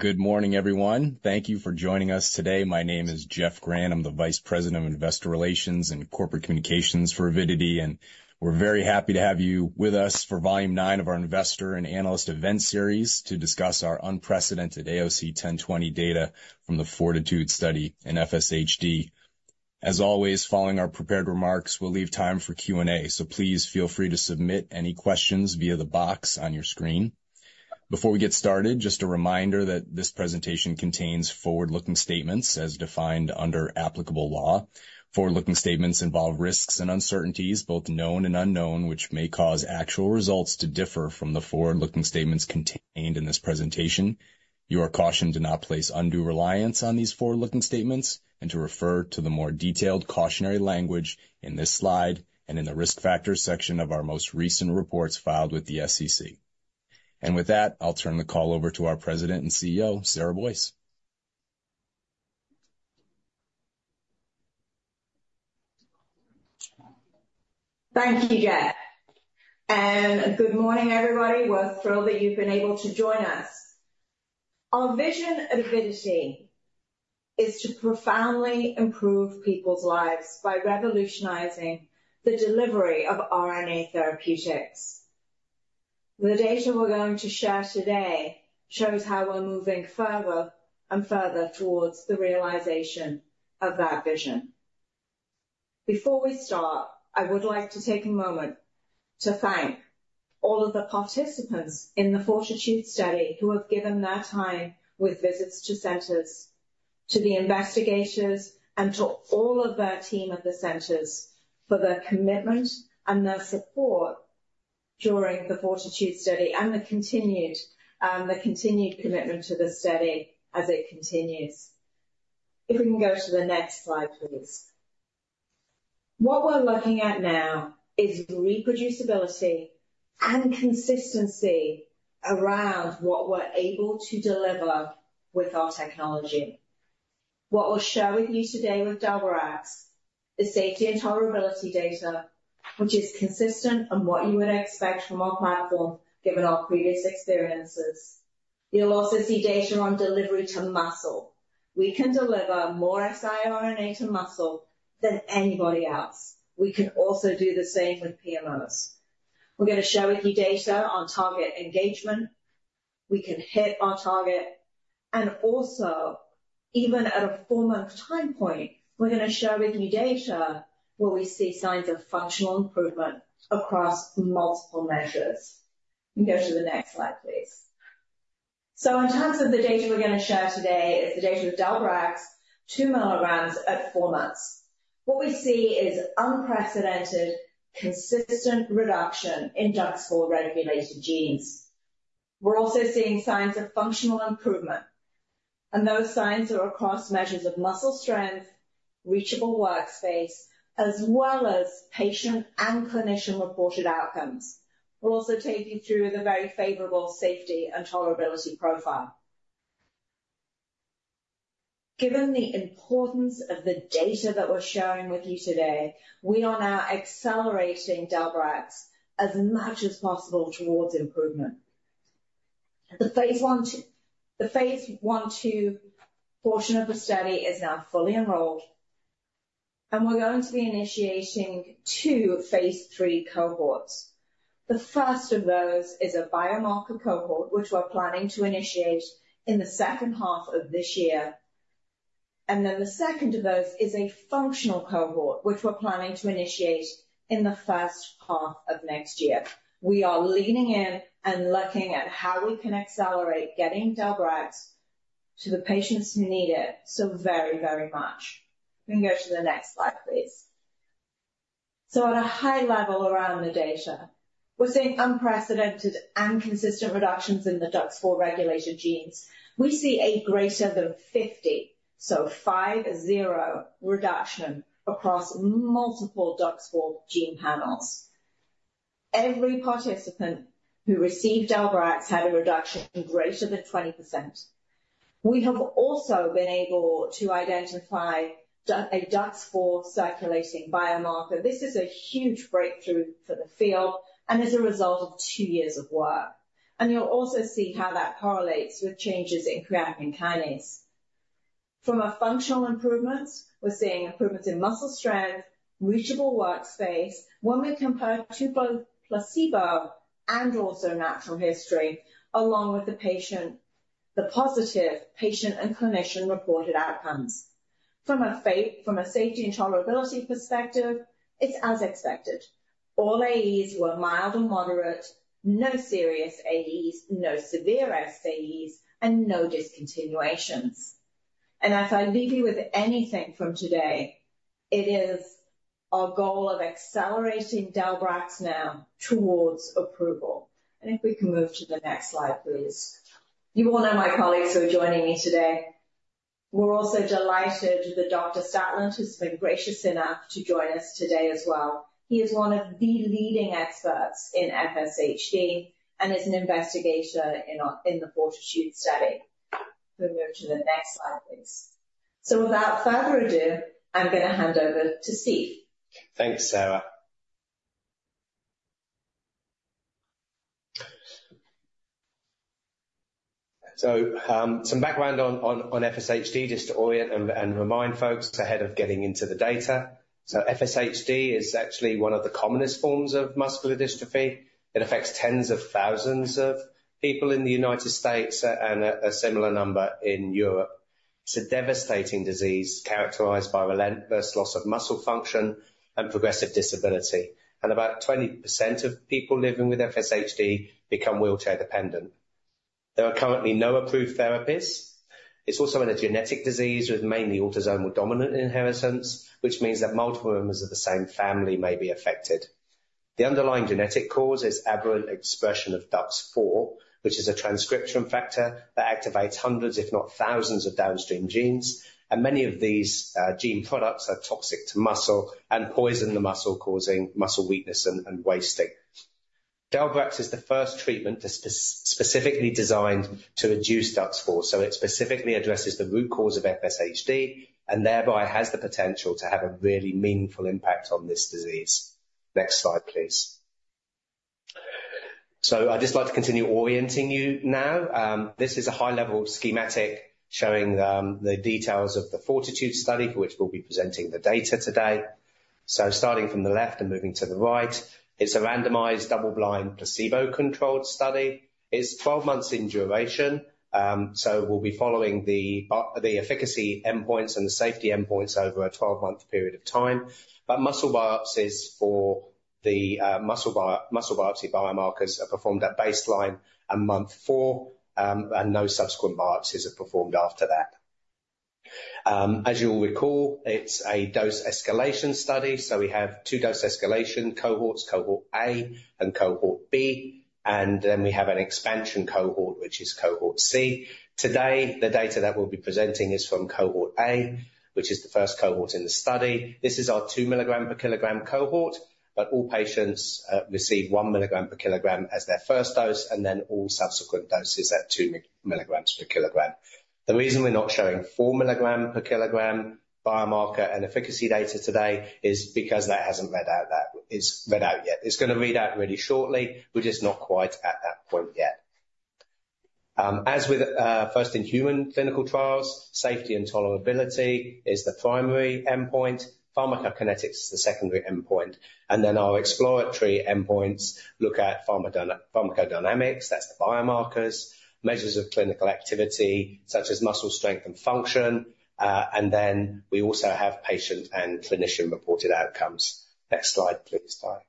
Good morning, everyone. Thank you for joining us today. My name is Geoff Grande. I'm the Vice President of Investor Relations and Corporate Communications for Avidity, and we're very happy to have you with us for volume 9 of our Investor and Analyst Event Series to discuss our unprecedented AOC 1020 data from the FORTITUDE study in FSHD. As always, following our prepared remarks, we'll leave time for Q&A, so please feel free to submit any questions via the box on your screen. Before we get started, just a reminder that this presentation contains forward-looking statements as defined under applicable law. Forward-looking statements involve risks and uncertainties, both known and unknown, which may cause actual results to differ from the forward-looking statements contained in this presentation. You are cautioned to not place undue reliance on these forward-looking statements and to refer to the more detailed cautionary language in this slide and in the Risk Factors section of our most recent reports filed with the SEC. With that, I'll turn the call over to our President and CEO, Sarah Boyce. Thank you, Geoff, and good morning, everybody. We're thrilled that you've been able to join us. Our vision at Avidity is to profoundly improve people's lives by revolutionizing the delivery of RNA therapeutics. The data we're going to share today shows how we're moving further and further towards the realization of that vision. Before we start, I would like to take a moment to thank all of the participants in the FORTITUDE study who have given their time with visits to centers, to the investigators and to all of their team at the centers, for their commitment and their support during the FORTITUDE study and the continued, the continued commitment to the study as it continues. If we can go to the next slide, please. What we're looking at now is reproducibility and consistency around what we're able to deliver with our technology. What we'll share with you today with del-brax is safety and tolerability data, which is consistent on what you would expect from our platform, given our previous experiences. You'll also see data on delivery to muscle. We can deliver more siRNA to muscle than anybody else. We can also do the same with PMOs. We're going to share with you data on target engagement. We can hit our target, and also, even at a 4-month time point, we're going to share with you data where we see signs of functional improvement across multiple measures. You can go to the next slide, please. In terms of the data we're going to share today, it's the data with del-brax, 2 mg at four months. What we see is unprecedented, consistent reduction in DUX4-regulated genes. We're also seeing signs of functional improvement, and those signs are across measures of muscle strength, reachable workspace, as well as patient and clinician-reported outcomes. We'll also take you through the very favorable safety and tolerability profile. Given the importance of the data that we're sharing with you today, we are now accelerating del-brax as much as possible towards improvement. The phase I, II portion of the study is now fully enrolled, and we're going to be initiating two phase III cohorts. The first of those is a biomarker cohort, which we're planning to initiate in the second half of this year, and then the second of those is a functional cohort, which we're planning to initiate in the first half of next year. We are leaning in and looking at how we can accelerate getting del-brax to the patients who need it so very, very much. We can go to the next slide, please. So at a high level, around the data, we're seeing unprecedented and consistent reductions in the DUX4 regulated genes. We see a greater than 50, so five-zero, reduction across multiple DUX4 gene panels. Every participant who received del-brax had a reduction greater than 20%. We have also been able to identify a DUX4 circulating biomarker. This is a huge breakthrough for the field and is a result of two years of work. And you'll also see how that correlates with changes in creatine kinase. From a functional improvements, we're seeing improvements in muscle strength, reachable workspace when we compare to both placebo and also natural history, along with the patient, the positive patient and clinician-reported outcomes. From a safety and tolerability perspective, it's as expected. All AEs were mild or moderate, no serious AEs, no severe SAEs, and no discontinuations. As I leave you with anything from today, it is our goal of accelerating del-brax now towards approval. If we can move to the next slide, please. You all know my colleagues who are joining me today. We're also delighted that Dr. Statland has been gracious enough to join us today as well. He is one of the leading experts in FSHD and is an investigator in our, in the FORTITUDE study. We'll move to the next slide, please. Without further ado, I'm going to hand over to Steve. Thanks, Sarah. So, some background on FSHD, just to orient and remind folks ahead of getting into the data. So FSHD is actually one of the commonest forms of muscular dystrophy. It affects tens of thousands of people in the United States, and a similar number in Europe. It's a devastating disease characterized by relentless loss of muscle function and progressive disability, and about 20% of people living with FSHD become wheelchair dependent. There are currently no approved therapies. It's also a genetic disease with mainly autosomal dominant inheritance, which means that multiple members of the same family may be affected. The underlying genetic cause is aberrant expression of DUX4, which is a transcription factor that activates hundreds, if not thousands, of downstream genes. Many of these gene products are toxic to muscle and poison the muscle, causing muscle weakness and wasting. Del-brax is the first treatment that's specifically designed to reduce DUX4, so it specifically addresses the root cause of FSHD and thereby has the potential to have a really meaningful impact on this disease. Next slide, please. I'd just like to continue orienting you now. This is a high-level schematic showing the details of the FORTITUDE study, for which we'll be presenting the data today. Starting from the left and moving to the right, it's a randomized, double-blind, placebo-controlled study. It's 12 months in duration, so we'll be following the efficacy endpoints and the safety endpoints over a 12-month period of time. But muscle biopsies for the muscle biopsy biomarkers are performed at baseline and month four, and no subsequent biopsies are performed after that. As you'll recall, it's a dose escalation study, so we have two dose escalation cohorts, Cohort A and Cohort B, and then we have an expansion cohort, which is Cohort C. Today, the data that we'll be presenting is from Cohort A, which is the first cohort in the study. This is our 2 mg per kg cohort, but all patients receive 1 mg per kg as their first dose, and then all subsequent doses at 2 mg per kg. The reason we're not showing 4 mg per kg biomarker and efficacy data today is because that hasn't read out yet. It's gonna read out really shortly. We're just not quite at that point yet. As with first in human clinical trials, safety and tolerability is the primary endpoint, pharmacokinetics is the secondary endpoint, and then our exploratory endpoints look at pharmacodynamics, that's the biomarkers, measures of clinical activity, such as muscle strength and function, and then we also have patient and clinician-reported outcomes. Next slide, please, Ty.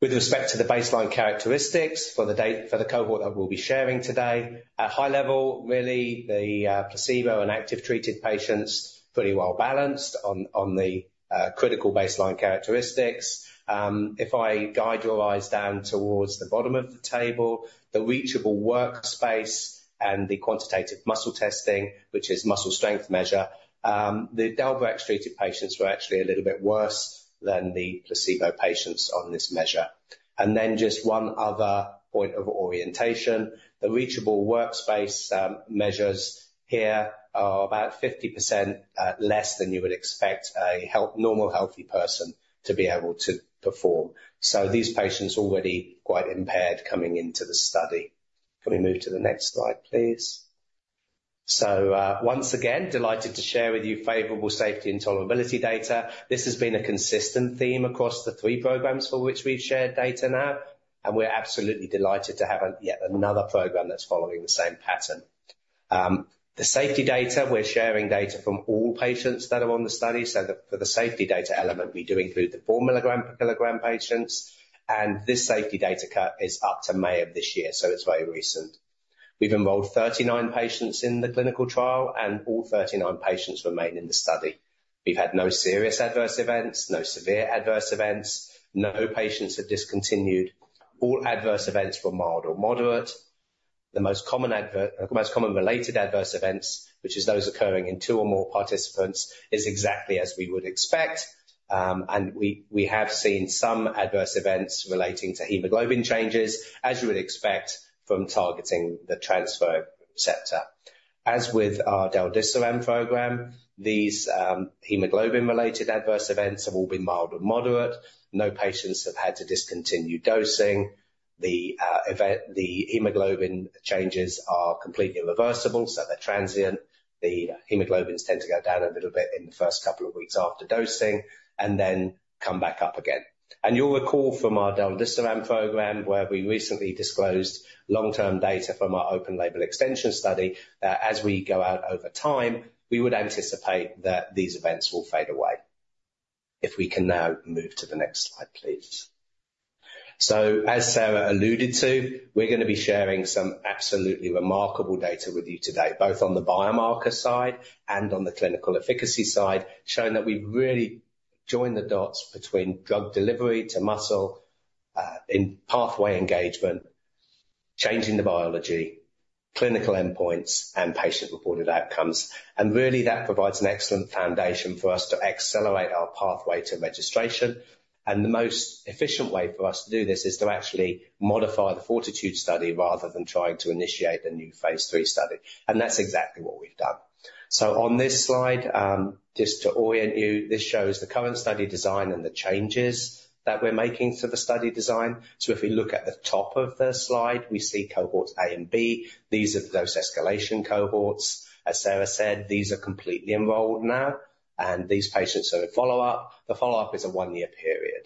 With respect to the baseline characteristics for the cohort that we'll be sharing today, at high level, really the placebo and active treated patients, pretty well-balanced on the critical baseline characteristics. If I guide your eyes down towards the bottom of the table, the reachable workspace and the quantitative muscle testing, which is muscle strength measure, the del-brax-treated patients were actually a little bit worse than the placebo patients on this measure. And then just one other point of orientation. The reachable workspace measures here are about 50%, less than you would expect a normal, healthy person to be able to perform, so these patients already quite impaired coming into the study. Can we move to the next slide, please? So, once again, delighted to share with you favorable safety and tolerability data. This has been a consistent theme across the three programs for which we've shared data now, and we're absolutely delighted to have yet another program that's following the same pattern. The safety data, we're sharing data from all patients that are on the study, so for the safety data element, we do include the 4 mg per kg patients, and this safety data cut is up to May of this year, so it's very recent. We've enrolled 39 patients in the clinical trial, and all 39 patients remain in the study. We've had no serious adverse events, no severe adverse events, no patients have discontinued. All adverse events were mild or moderate. The most common related adverse events, which is those occurring in two or more participants, is exactly as we would expect, and we, we have seen some adverse events relating to hemoglobin changes, as you would expect from targeting the transferrin receptor. As with our del-desiran program, these hemoglobin-related adverse events have all been mild or moderate. No patients have had to discontinue dosing. The hemoglobin changes are completely reversible, so they're transient. The hemoglobins tend to go down a little bit in the first couple of weeks after dosing and then come back up again. You'll recall from our del-desiran program, where we recently disclosed long-term data from our open label extension study, as we go out over time, we would anticipate that these events will fade away. If we can now move to the next slide, please. So, as Sarah alluded to, we're gonna be sharing some absolutely remarkable data with you today, both on the biomarker side and on the clinical efficacy side, showing that we've really joined the dots between drug delivery to muscle, in pathway engagement, changing the biology, clinical endpoints, and patient-reported outcomes. And really, that provides an excellent foundation for us to accelerate our pathway to registration. And the most efficient way for us to do this is to actually modify the FORTITUDE study, rather than trying to initiate a new phase III study. And that's exactly what we've done. So on this slide, just to orient you, this shows the current study design and the changes that we're making to the study design. So if we look at the top of the slide, we see Cohorts A and B. These are the dose escalation cohorts. As Sarah said, these are completely enrolled now, and these patients are in follow-up. The follow-up is a one-year period.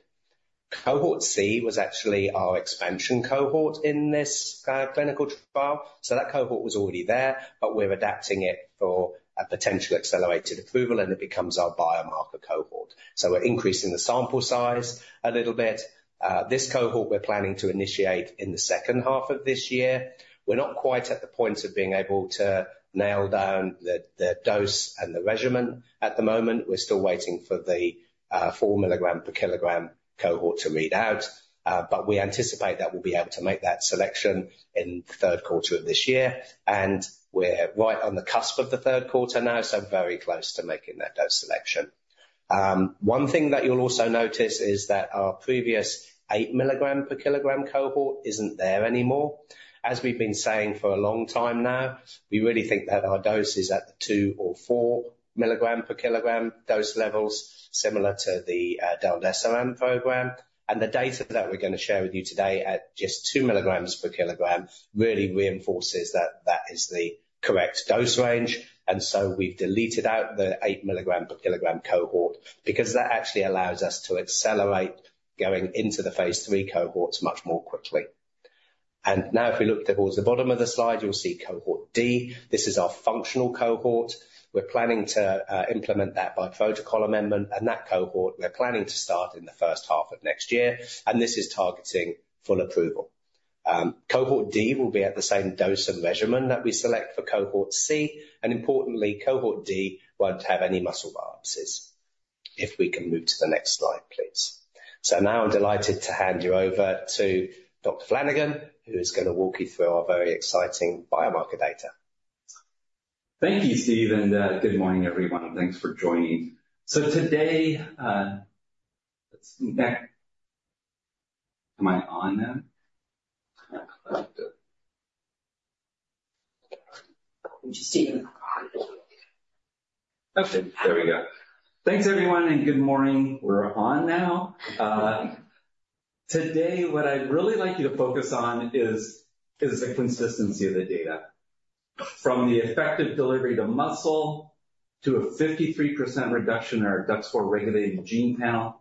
Cohort C was actually our expansion cohort in this clinical trial. So that cohort was already there, but we're adapting it for a potential accelerated approval, and it becomes our biomarker cohort. So we're increasing the sample size a little bit. This cohort we're planning to initiate in the second half of this year. We're not quite at the point of being able to nail down the dose and the regimen at the moment. We're still waiting for the 4 mg per kg cohort to read out, but we anticipate that we'll be able to make that selection in the third quarter of this year, and we're right on the cusp of the third quarter now, so very close to making that dose selection. One thing that you'll also notice is that our previous 8 mg per kg cohort isn't there anymore. As we've been saying for a long time now, we really think that our dose is at the 2 or 4 mg per kg dose levels, similar to the del-desiran program. And the data that we're gonna share with you today at just 2 mg per kg really reinforces that that is the correct dose range. So we've deleted out the 8 mg per kg cohort because that actually allows us to accelerate going into the phase III cohorts much more quickly. Now if we look towards the bottom of the slide, you'll see Cohort D. This is our functional cohort. We're planning to implement that by protocol amendment. And that cohort, we're planning to start in the first half of next year, and this is targeting full approval. Cohort D will be at the same dose and measurement that we select for Cohort C, and importantly, Cohort D won't have any muscle biopsies. If we can move to the next slide, please. So now I'm delighted to hand you over to Dr. Flanagan, who is gonna walk you through our very exciting biomarker data. Thank you, Steve, and good morning, everyone. Thanks for joining. So today, let's see. Am I on now? Okay, there we go. Thanks, everyone, and good morning. We're on now. Today, what I'd really like you to focus on is the consistency of the data. From the effective delivery to muscle, to a 53% reduction in our DUX4 regulating gene panel,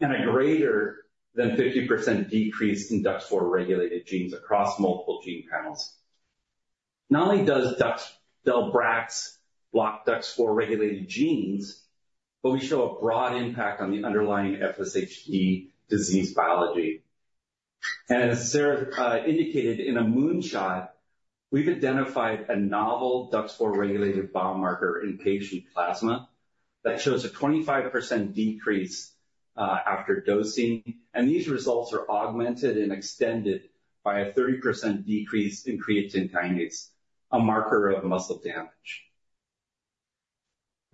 and a greater than 50% decrease in DUX4 regulated genes across multiple gene panels. Not only does del-brax block DUX4 regulated genes, but we show a broad impact on the underlying FSHD disease biology. And as Sarah indicated in a moonshot, we've identified a novel DUX4 regulated biomarker in patient plasma that shows a 25% decrease after dosing, and these results are augmented and extended by a 30% decrease in creatine kinase, a marker of muscle damage.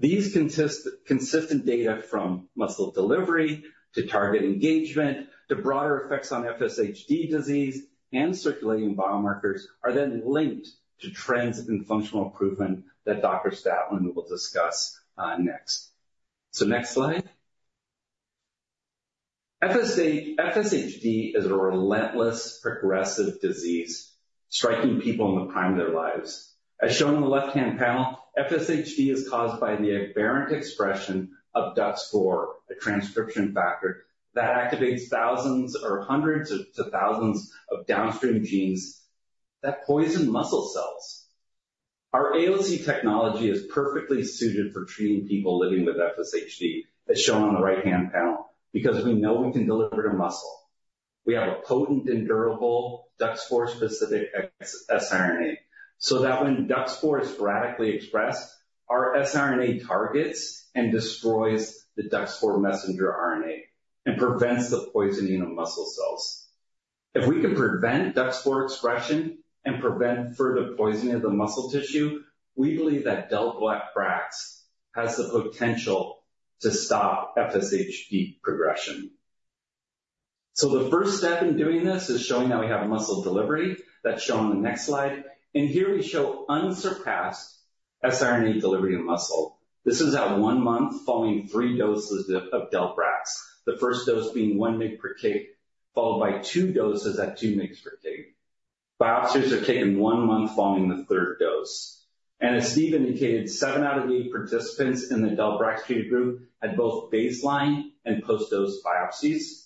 These consistent data from muscle delivery to target engagement to broader effects on FSHD disease and circulating biomarkers are then linked to trends in functional improvement that Dr. Statland will discuss next. So next slide. FSHD is a relentless progressive disease striking people in the prime of their lives. As shown in the left-hand panel, FSHD is caused by the aberrant expression of DUX4, a transcription factor that activates thousands or hundreds to thousands of downstream genes that poison muscle cells. Our AOC technology is perfectly suited for treating people living with FSHD, as shown on the right-hand panel, because we know we can deliver to muscle. We have a potent and durable DUX4-specific siRNA, so that when DUX4 is radically expressed, our siRNA targets and destroys the DUX4 messenger RNA and prevents the poisoning of muscle cells. If we can prevent DUX4 expression and prevent further poisoning of the muscle tissue, we believe that del-brax has the potential to stop FSHD progression. So the first step in doing this is showing that we have muscle delivery. That's shown on the next slide, and here we show unsurpassed siRNA delivery of muscle. This is at one month following three doses of del-brax, the first dose being 1 mg per kg, followed by two doses at 2 mg per kg. Biopsies are taken one month following the third dose, and as Steve indicated, 7 out of the 8 participants in the del-brax treated group had both baseline and post-dose biopsies.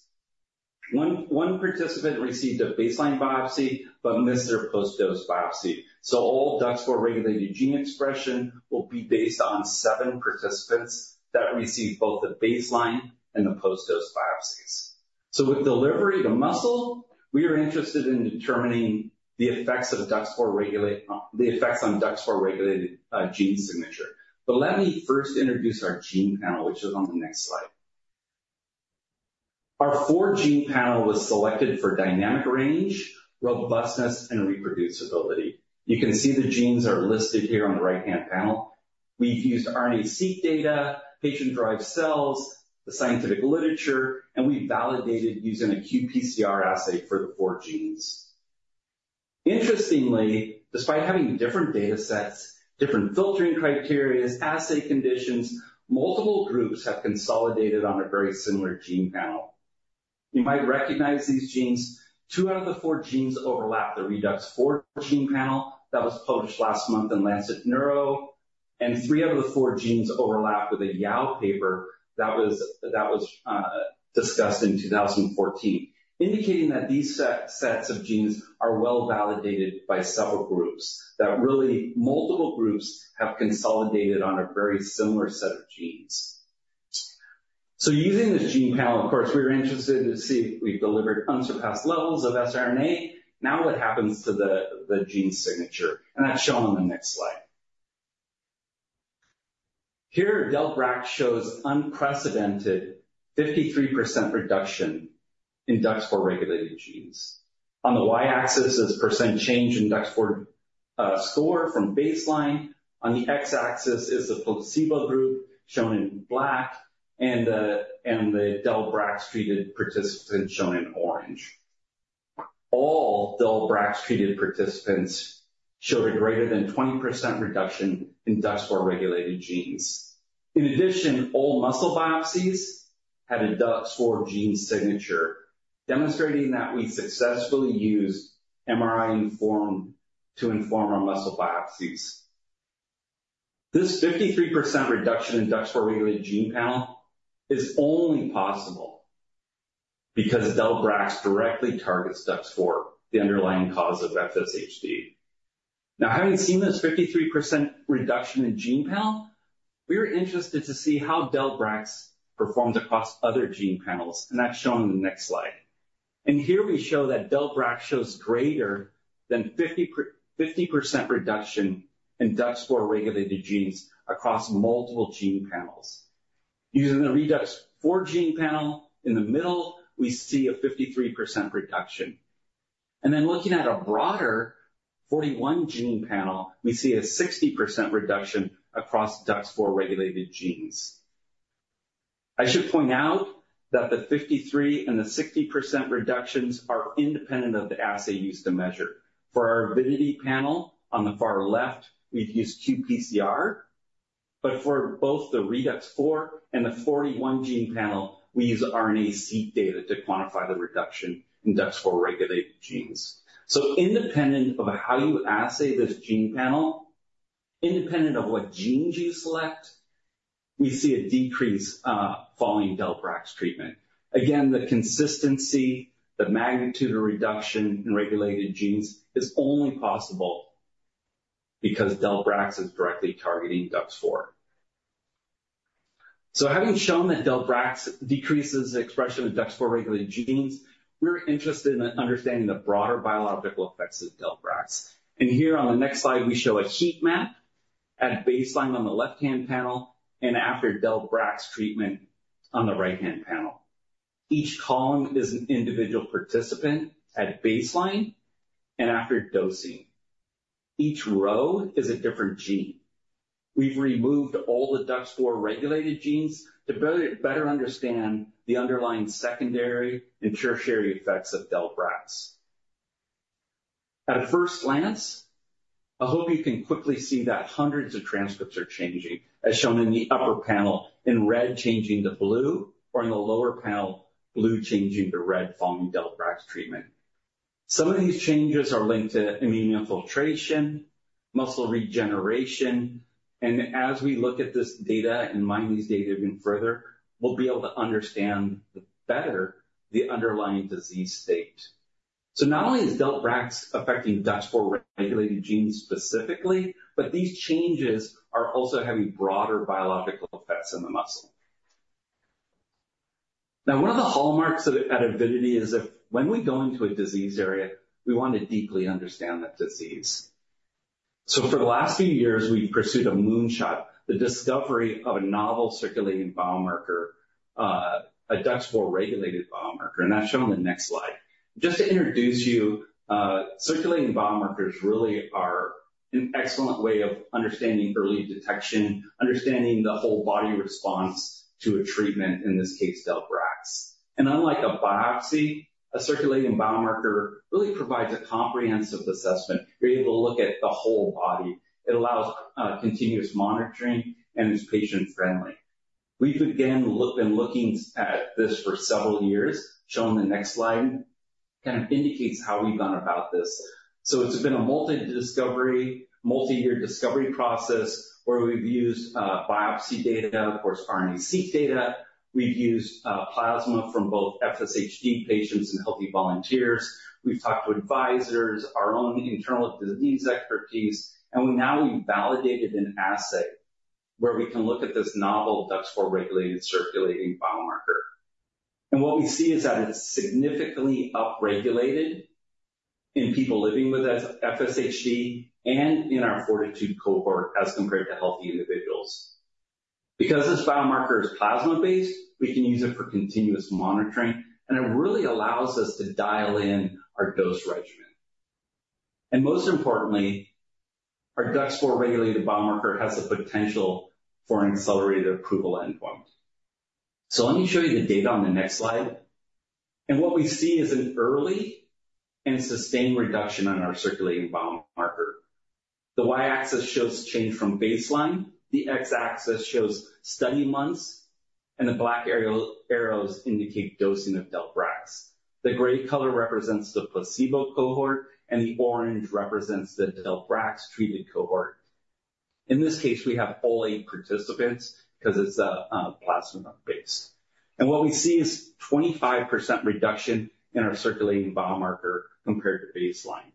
One participant received a baseline biopsy but missed their post-dose biopsy, so all DUX4-regulated gene expression will be based on 7 participants that received both the baseline and the post-dose biopsies. So with delivery to muscle, we are interested in determining the effects on DUX4 regulated gene signature. But let me first introduce our gene panel, which is on the next slide. Our four-gene panel was selected for dynamic range, robustness and reproducibility. You can see the genes are listed here on the right-hand panel. We've used RNA-Seq data, patient-derived cells, the scientific literature, and we validated using a qPCR assay for the four genes. Interestingly, despite having different data sets, different filtering criteria, assay conditions, multiple groups have consolidated on a very similar gene panel. You might recognize these genes. Two out of the four genes overlap the ReDUX4 gene panel that was published last month in The Lancet Neurology. Three out of the four genes overlap with the Yao et al., 2014 paper that was discussed, indicating that these sets of genes are well-validated by several groups, that really multiple groups have consolidated on a very similar set of genes. So using this gene panel, of course, we were interested to see if we delivered unsurpassed levels of siRNA. Now what happens to the gene signature? And that's shown on the next slide. Here, del-brax shows unprecedented 53% reduction in DUX4-regulated genes. On the Y-axis is % change in DUX4 score from baseline. On the X-axis is the placebo group shown in black and the del-brax-treated participants shown in orange. All del-brax-treated participants showed a greater than 20% reduction in DUX4-regulated genes. In addition, all muscle biopsies had a DUX4 gene signature, demonstrating that we successfully used MRI informed to inform our muscle biopsies. This 53% reduction in DUX4-regulated gene panel is only possible because del-brax directly targets DUX4, the underlying cause of FSHD. Now, having seen this 53% reduction in gene panel, we were interested to see how del-brax performed across other gene panels, and that's shown on the next slide. Here we show that del-brax shows greater than 50% reduction in DUX4-regulated genes across multiple gene panels. Using the ReDUX4 gene panel, in the middle, we see a 53% reduction. Then looking at a broader 41 gene panel, we see a 60% reduction across DUX4-regulated genes. I should point out that the 53 and the 60% reductions are independent of the assay used to measure. For our Avidity panel on the far left, we've used qPCR, but for both the ReDUX4 and the 41-gene panel, we use RNA-seq data to quantify the reduction in DUX4-regulated genes. Independent of how you assay this gene panel, independent of what genes you select, we see a decrease following del-brax treatment. Again, the consistency, the magnitude of reduction in regulated genes is only possible because del-brax is directly targeting DUX4. Having shown that del-brax decreases the expression of DUX4-regulated genes, we're interested in understanding the broader biological effects of del-brax. Here on the next slide, we show a heat map at baseline on the left-hand panel and after del-brax treatment on the right-hand panel. Each column is an individual participant at baseline and after dosing. Each row is a different gene. We've removed all the DUX4-regulated genes to better understand the underlying secondary and tertiary effects of del-brax. At first glance, I hope you can quickly see that hundreds of transcripts are changing, as shown in the upper panel, in red, changing to blue, or in the lower panel, blue changing to red, following del-brax treatment. Some of these changes are linked to immune infiltration, muscle regeneration, and as we look at this data and mine these data even further, we'll be able to understand better the underlying disease state. So not only is del-brax affecting DUX4-regulated genes specifically, but these changes are also having broader biological effects in the muscle. Now, one of the hallmarks at Avidity is when we go into a disease area, we want to deeply understand that disease. So for the last few years, we've pursued a moonshot, the discovery of a novel circulating biomarker, a DUX4-regulated biomarker, and that's shown on the next slide. Just to introduce you, circulating biomarkers really are an excellent way of understanding early detection, understanding the whole body response to a treatment, in this case, del-brax. And unlike a biopsy, a circulating biomarker really provides a comprehensive assessment. We're able to look at the whole body. It allows continuous monitoring, and it's patient-friendly. We've again been looking at this for several years. Shown on the next slide, kind of indicates how we've gone about this. So it's been a multi-discovery, multi-year discovery process where we've used biopsy data, of course, RNA-seq data. We've used plasma from both FSHD patients and healthy volunteers. We've talked to advisors, our own internal disease expertise, and now we've validated an assay where we can look at this novel DUX4-regulated circulating biomarker. And what we see is that it's significantly upregulated in people living with FSHD and in our FORTITUDE cohort as compared to healthy individuals. Because this biomarker is plasma-based, we can use it for continuous monitoring, and it really allows us to dial in our dose regimen. And most importantly, our DUX4-regulated biomarker has the potential for an accelerated approval endpoint. So let me show you the data on the next slide. And what we see is an early and sustained reduction on our circulating biomarker. The Y-axis shows change from baseline, the X-axis shows study months. And the black arrows indicate dosing of del-brax. The gray color represents the placebo cohort, and the orange represents the del-brax treated cohort. In this case, we have all eight participants because it's a plasma base. And what we see is 25% reduction in our circulating biomarker compared to baseline.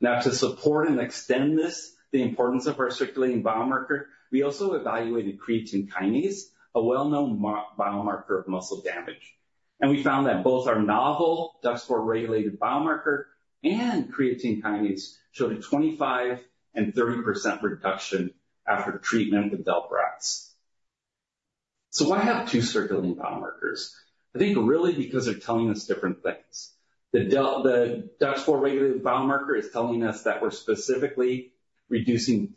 Now, to support and extend this, the importance of our circulating biomarker, we also evaluated creatine kinase, a well-known biomarker of muscle damage. And we found that both our novel DUX4 regulated biomarker and creatine kinase showed a 25% and 30% reduction after treatment with del-brax. So why have two circulating biomarkers? I think really because they're telling us different things. The del-brax the DUX4 regulated biomarker is telling us that we're specifically reducing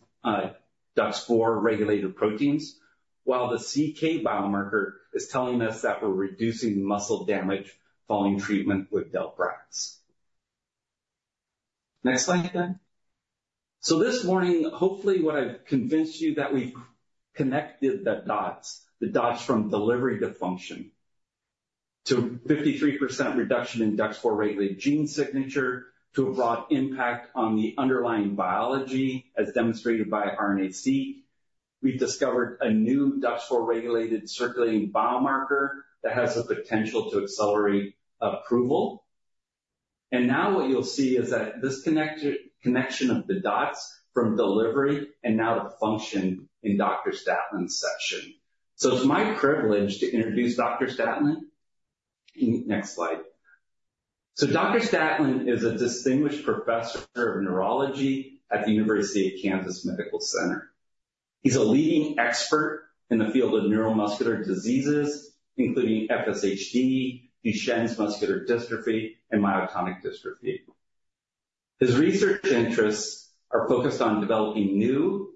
DUX4 regulated proteins, while the CK biomarker is telling us that we're reducing muscle damage following treatment with del-brax. Next slide, Dan. So this morning, hopefully, would have convinced you that we've connected the dots, the dots from delivery to function, to 53% reduction in DUX4 regulated gene signature to a broad impact on the underlying biology as demonstrated by RNA-Seq. We've discovered a new DUX4 regulated circulating biomarker that has the potential to accelerate approval. And now what you'll see is that this connected - connection of the dots from delivery and now to function in Dr. Statland's section. So it's my privilege to introduce Dr. Statland. Next slide. So Dr. Statland is a distinguished professor of neurology at the University of Kansas Medical Center. He's a leading expert in the field of neuromuscular diseases, including FSHD, Duchenne muscular dystrophy, and myotonic dystrophy. His research interests are focused on developing new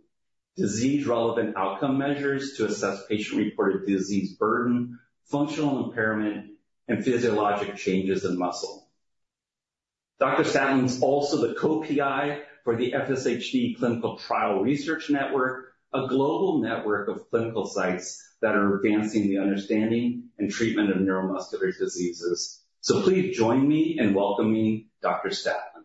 disease-relevant outcome measures to assess patient-reported disease burden, functional impairment, and physiologic changes in muscle. Dr. Statland is also the co-PI for the FSHD Clinical Trial Network, a global network of clinical sites that are advancing the understanding and treatment of neuromuscular diseases. Please join me in welcoming Dr. Statland.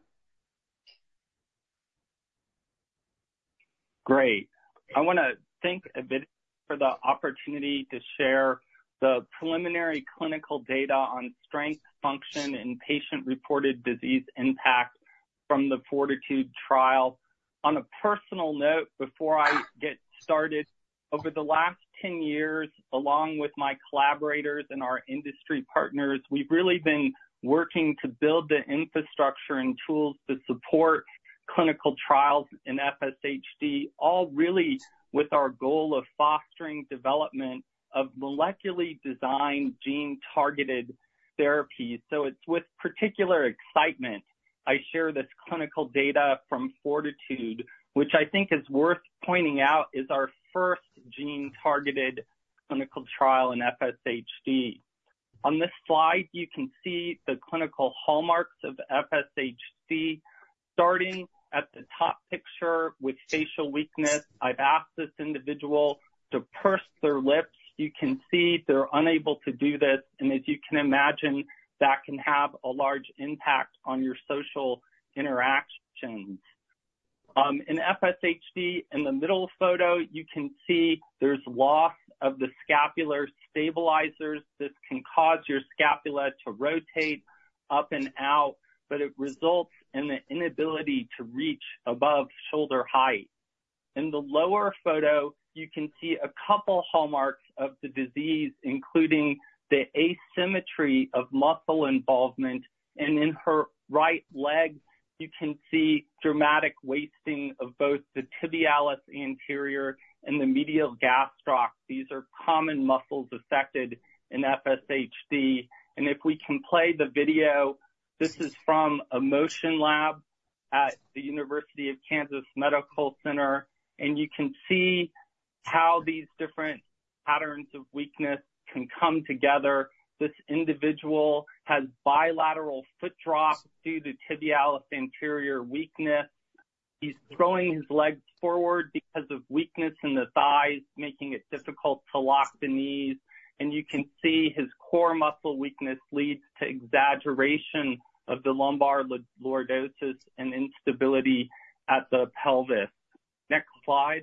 Great. I want to thank Avidity for the opportunity to share the preliminary clinical data on strength, function, and patient-reported disease impact from the FORTITUDE trial. On a personal note, before I get started, over the last 10 years, along with my collaborators and our industry partners, we've really been working to build the infrastructure and tools to support clinical trials in FSHD, all really with our goal of fostering development of molecularly designed gene-targeted therapies. So it's with particular excitement I share this clinical data from FORTITUDE, which I think is worth pointing out, is our first gene-targeted clinical trial in FSHD. On this slide, you can see the clinical hallmarks of FSHD. Starting at the top picture with facial weakness, I've asked this individual to purse their lips. You can see they're unable to do this, and as you can imagine, that can have a large impact on your social interactions. In FSHD, in the middle photo, you can see there's loss of the scapular stabilizers. This can cause your scapula to rotate up and out, but it results in the inability to reach above shoulder height. In the lower photo, you can see a couple hallmarks of the disease, including the asymmetry of muscle involvement, and in her right leg, you can see dramatic wasting of both the tibialis anterior and the medial gastroc. These are common muscles affected in FSHD. And if we can play the video, this is from a motion lab at the University of Kansas Medical Center, and you can see how these different patterns of weakness can come together. This individual has bilateral foot drop due to tibialis anterior weakness. He's throwing his legs forward because of weakness in the thighs, making it difficult to lock the knees, and you can see his core muscle weakness leads to exaggeration of the lumbar lordosis and instability at the pelvis. Next slide.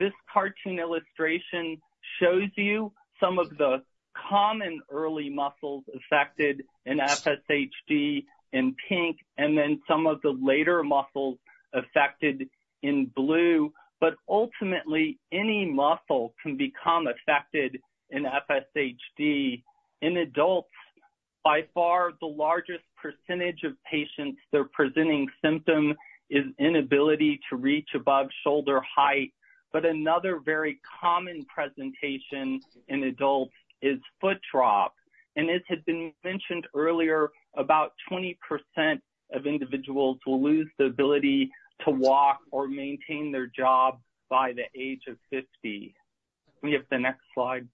This cartoon illustration shows you some of the common early muscles affected in FSHD in pink, and then some of the later muscles affected in blue. But ultimately, any muscle can become affected in FSHD. In adults, by far the largest percentage of patients, their presenting symptom is inability to reach above shoulder height. But another very common presentation in adults is foot drop. And as had been mentioned earlier, about 20% of individuals will lose the ability to walk or maintain their job by the age of 50. Can we have the next slide?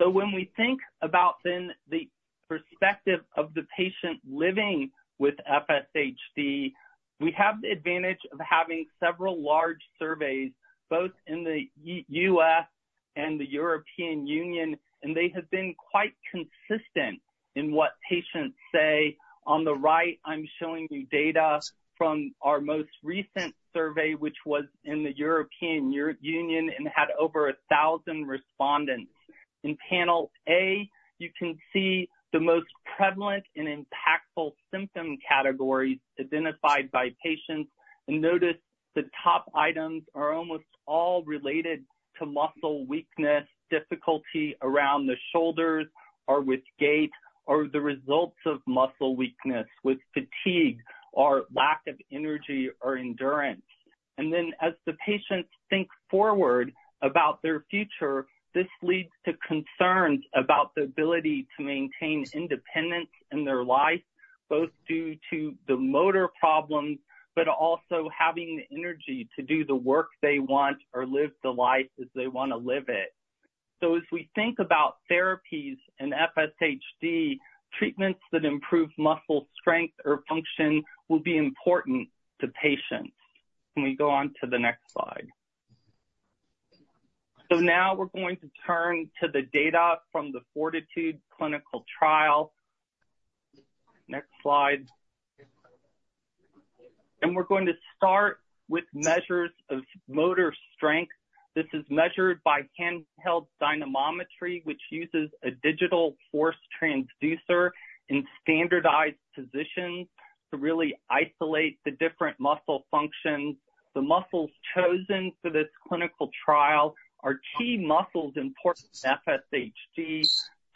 So when we think about then the perspective of the patient living with FSHD, we have the advantage of having several large surveys, both in the U.S. and the European Union, and they have been quite consistent in what patients say. On the right, I'm showing you data from our most recent survey, which was in the European Union and had over 1,000 respondents. In panel A, you can see the most prevalent and impactful symptom categories identified by patients. Notice the top items are almost all related to muscle weakness, difficulty around the shoulders or with gait, or the results of muscle weakness with fatigue or lack of energy or endurance. As the patients think forward about their future, this leads to concerns about the ability to maintain independence in their life, both due to the motor problems, but also having the energy to do the work they want or live the life as they want to live it. As we think about therapies and FSHD, treatments that improve muscle strength or function will be important to patients. Can we go on to the next slide? Now we're going to turn to the data from the FORTITUDE clinical trial. Next slide. We're going to start with measures of motor strength. This is measured by handheld dynamometry, which uses a digital force transducer in standardized positions to really isolate the different muscle functions. The muscles chosen for this clinical trial are key muscles important to FSHD,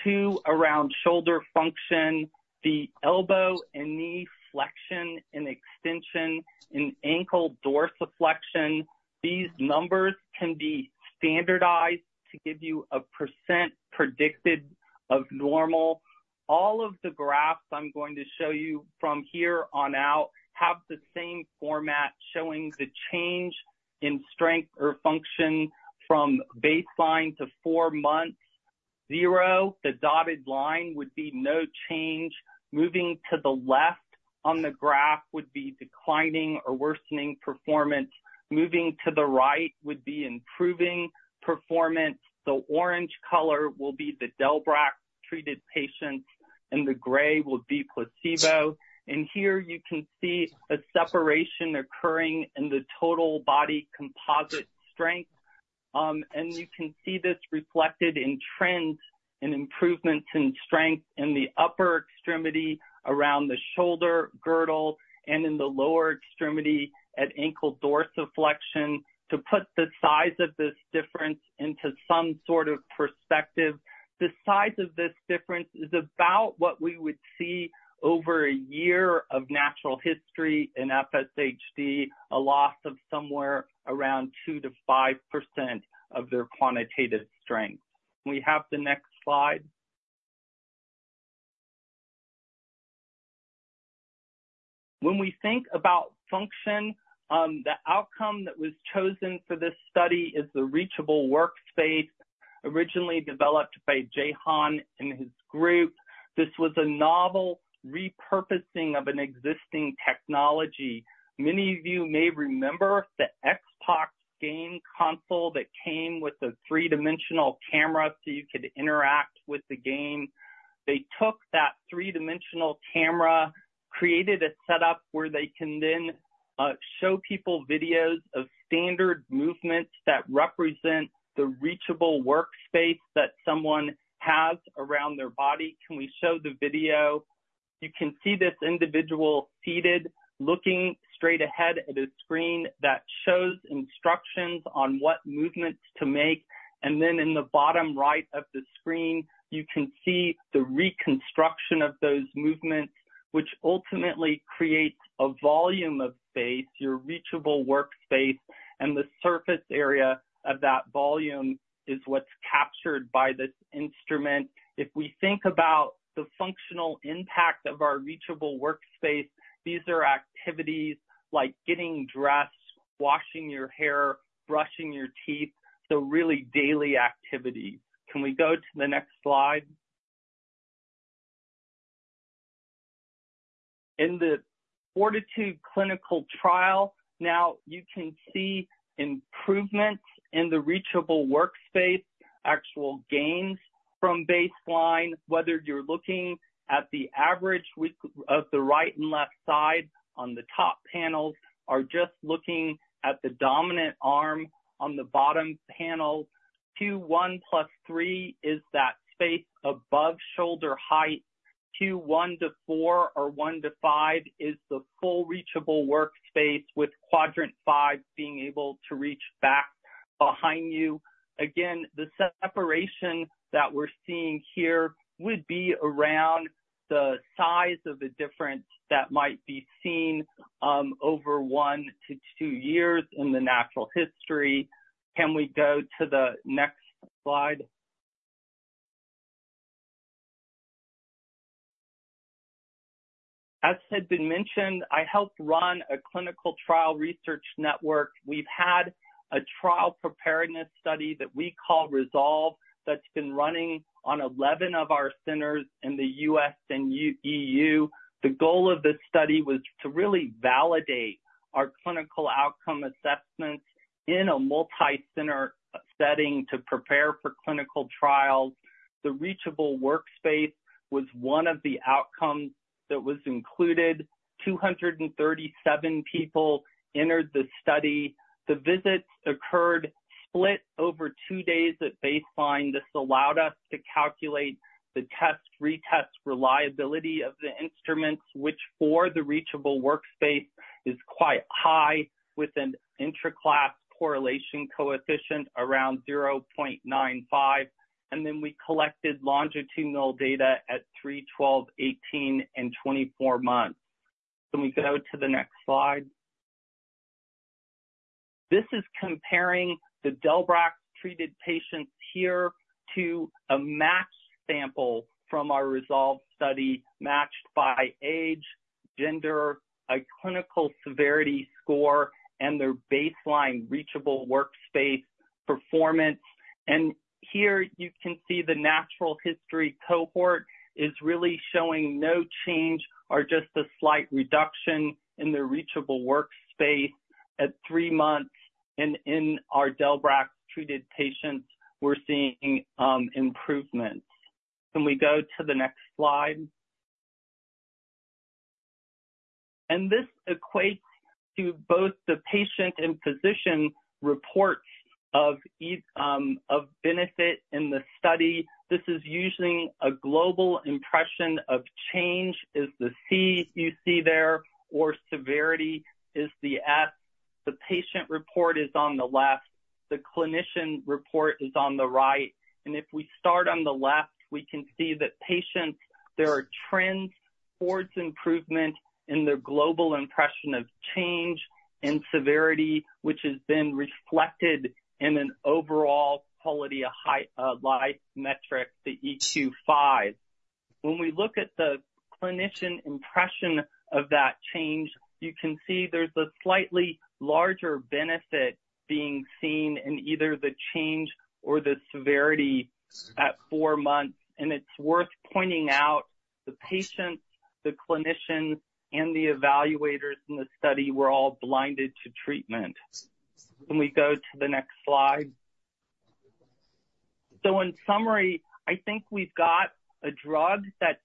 two around shoulder function, the elbow and knee flexion and extension, and ankle dorsiflexion. These numbers can be standardized to give you a percent predicted of normal. All of the graphs I'm going to show you from here on out have the same format, showing the change in strength or function from baseline to four months. Zero, the dotted line, would be no change. Moving to the left on the graph would be declining or worsening performance. Moving to the right would be improving performance. The orange color will be the del-brax-treated patients, and the gray will be placebo. Here you can see a separation occurring in the total body composite strength. And you can see this reflected in trends and improvements in strength in the upper extremity around the shoulder girdle and in the lower extremity at ankle dorsiflexion. To put the size of this difference into some sort of perspective, the size of this difference is about what we would see over a year of natural history in FSHD, a loss of somewhere around 2%-5% of their quantitative strength. Can we have the next slide? When we think about function, the outcome that was chosen for this study is the reachable workspace, originally developed by Jay Han and his group. This was a novel repurposing of an existing technology. Many of you may remember the Xbox game console that came with a three-dimensional camera, so you could interact with the game. They took that three-dimensional camera, created a setup where they can then show people videos of standard movements that represent the Reachable Workspace that someone has around their body. Can we show the video? You can see this individual seated, looking straight ahead at a screen that shows instructions on what movements to make. Then in the bottom right of the screen, you can see the reconstruction of those movements, which ultimately creates a volume of space, your Reachable Workspace, and the surface area of that volume is what's captured by this instrument. If we think about the functional impact of our Reachable Workspace, these are activities like getting dressed, washing your hair, brushing your teeth, so really daily activities. Can we go to the next slide? In the FORTITUDE clinical trial, now you can see improvements in the reachable workspace, actual gains from baseline, whether you're looking at the average of the right and left side on the top panels, or just looking at the dominant arm on the bottom panel. 2, 1 + 3 is that space above shoulder height. 2, 1-4 or 1-5 is the full reachable workspace, with quadrant 5 being able to reach back behind you. Again, the separation that we're seeing here would be around the size of the difference that might be seen over 1-2 years in the natural history. Can we go to the next slide? As had been mentioned, I helped run a clinical trial research network. We've had a trial preparedness study that we call ReSolve, that's been running on 11 of our centers in the U.S. and E.U. The goal of this study was to really validate our clinical outcome assessments in a multicenter setting to prepare for clinical trials. The Reachable Workspace was one of the outcomes that was included. Two hundred and thirty-seven people entered the study. The visits occurred split over two days at baseline. This allowed us to calculate the test, retest reliability of the instruments, which for the Reachable Workspace, is quite high, with an intraclass correlation coefficient around 0.95, and then we collected longitudinal data at 3, 12, 18, and 24 months. Can we go to the next slide? This is comparing the del-brax treated patients here to a matched sample from our ReSolve study, matched by age, gender, a clinical severity score, and their baseline Reachable Workspace performance. Here you can see the natural history cohort is really showing no change or just a slight reduction in their Reachable Workspace at three months. In our del-brax-treated patients, we're seeing improvements. Can we go to the next slide? This equates to both the patient and physician reports of benefit in the study. This is using a Global Impression of Change, is the C you see there, or Severity is the S. The patient report is on the left. The clinician report is on the right, and if we start on the left, we can see that patients, there are trends towards improvement in their Global Impression of Change and Severity, which is then reflected in an overall quality of life metric, the EQ-5D. When we look at the clinician impression of that change, you can see there's a slightly larger benefit being seen in either the change or the severity at four months. It's worth pointing out the patients, the clinicians, and the evaluators in the study were all blinded to treatment. Can we go to the next slide? In summary, I think we've got a drug that's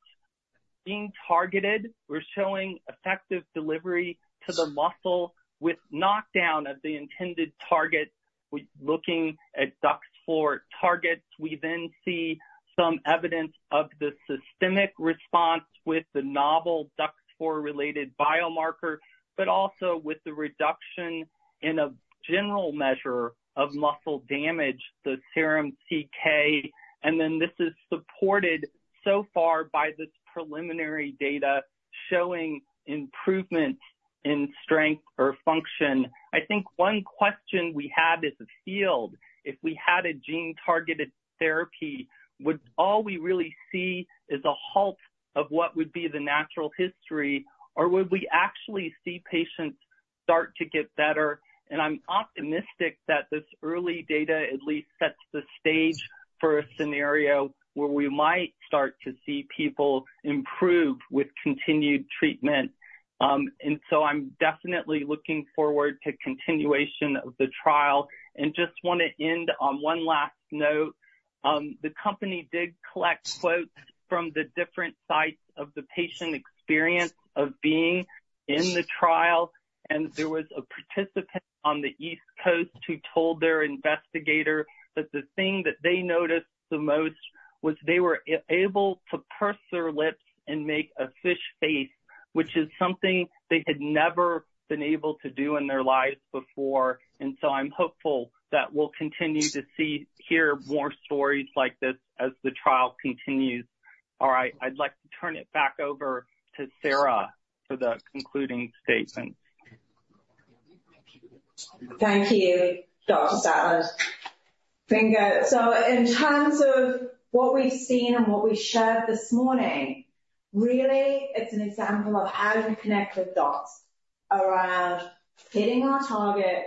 being targeted. We're showing effective delivery to the muscle with knockdown of the intended target. With looking at DUX4 targets, we then see some evidence of the systemic response with the novel DUX4-related biomarker, but also with the reduction in a general measure of muscle damage, the serum CK, and then this is supported so far by this preliminary data showing improvement in strength or function. I think one question we have as a field, if we had a gene-targeted therapy, would all we really see is a halt of what would be the natural history, or would we actually see patients start to get better? And I'm optimistic that this early data at least sets the stage for a scenario where we might start to see people improve with continued treatment. And so I'm definitely looking forward to continuation of the trial and just want to end on one last note. The company did collect quotes from the different sites of the patient experience of being in the trial, and there was a participant on the East Coast who told their investigator that the thing that they noticed the most was they were able to purse their lips and make a fish face, which is something they had never been able to do in their lives before. And so I'm hopeful that we'll continue to see, hear more stories like this as the trial continues. All right. I'd like to turn it back over to Sarah for the concluding statements. Thank you, Dr. Statland. Thank you. So in terms of what we've seen and what we shared this morning, really, it's an example of how do we connect the dots around hitting our target,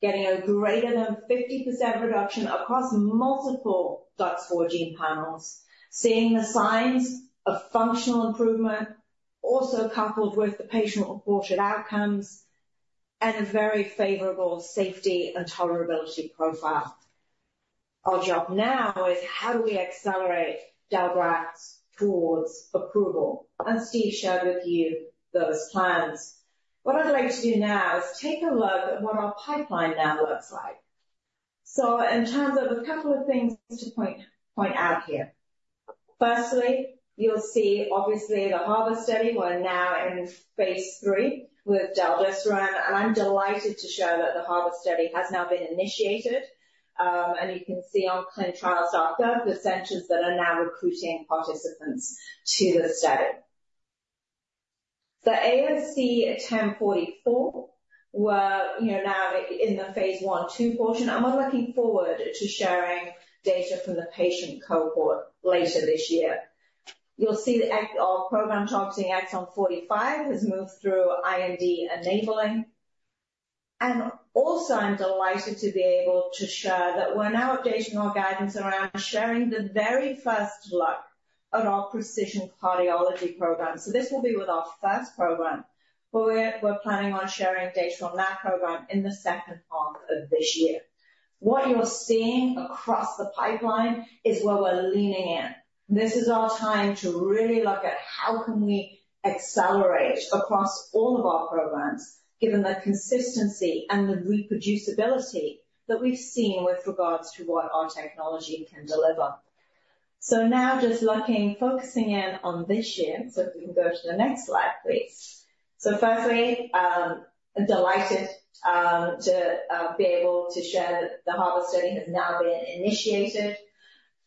getting a greater than 50% reduction across multiple DUX4 gene panels, seeing the signs of functional improvement, also coupled with the patient-reported outcomes and a very favorable safety and tolerability profile. Our job now is how do we accelerate del-brax towards approval? And Steve shared with you those plans. What I'd like to do now is take a look at what our pipeline now looks like. So in terms of a couple of things to point, point out here. Firstly, you'll see obviously the HARBOR study. We're now in phase III with del-desiran, and I'm delighted to share that the HARBOR study has now been initiated. And you can see on clinicaltrials.gov, the centers that are now recruiting participants to the study. The AOC 1044, we're, you know, now in the phase I, II portion, and we're looking forward to sharing data from the patient cohort later this year. You'll see our program targeting exon 45 has moved through IND enabling. Also, I'm delighted to be able to share that we're now updating our guidance around sharing the very first look at our precision cardiology program. This will be with our first program, but we're planning on sharing data on that program in the second half of this year. What you're seeing across the pipeline is where we're leaning in. This is our time to really look at how can we accelerate across all of our programs, given the consistency and the reproducibility that we've seen with regards to what our technology can deliver. So now just looking, focusing in on this year. So if we can go to the next slide, please. So firstly, I'm delighted to be able to share that the HARBOR study has now been initiated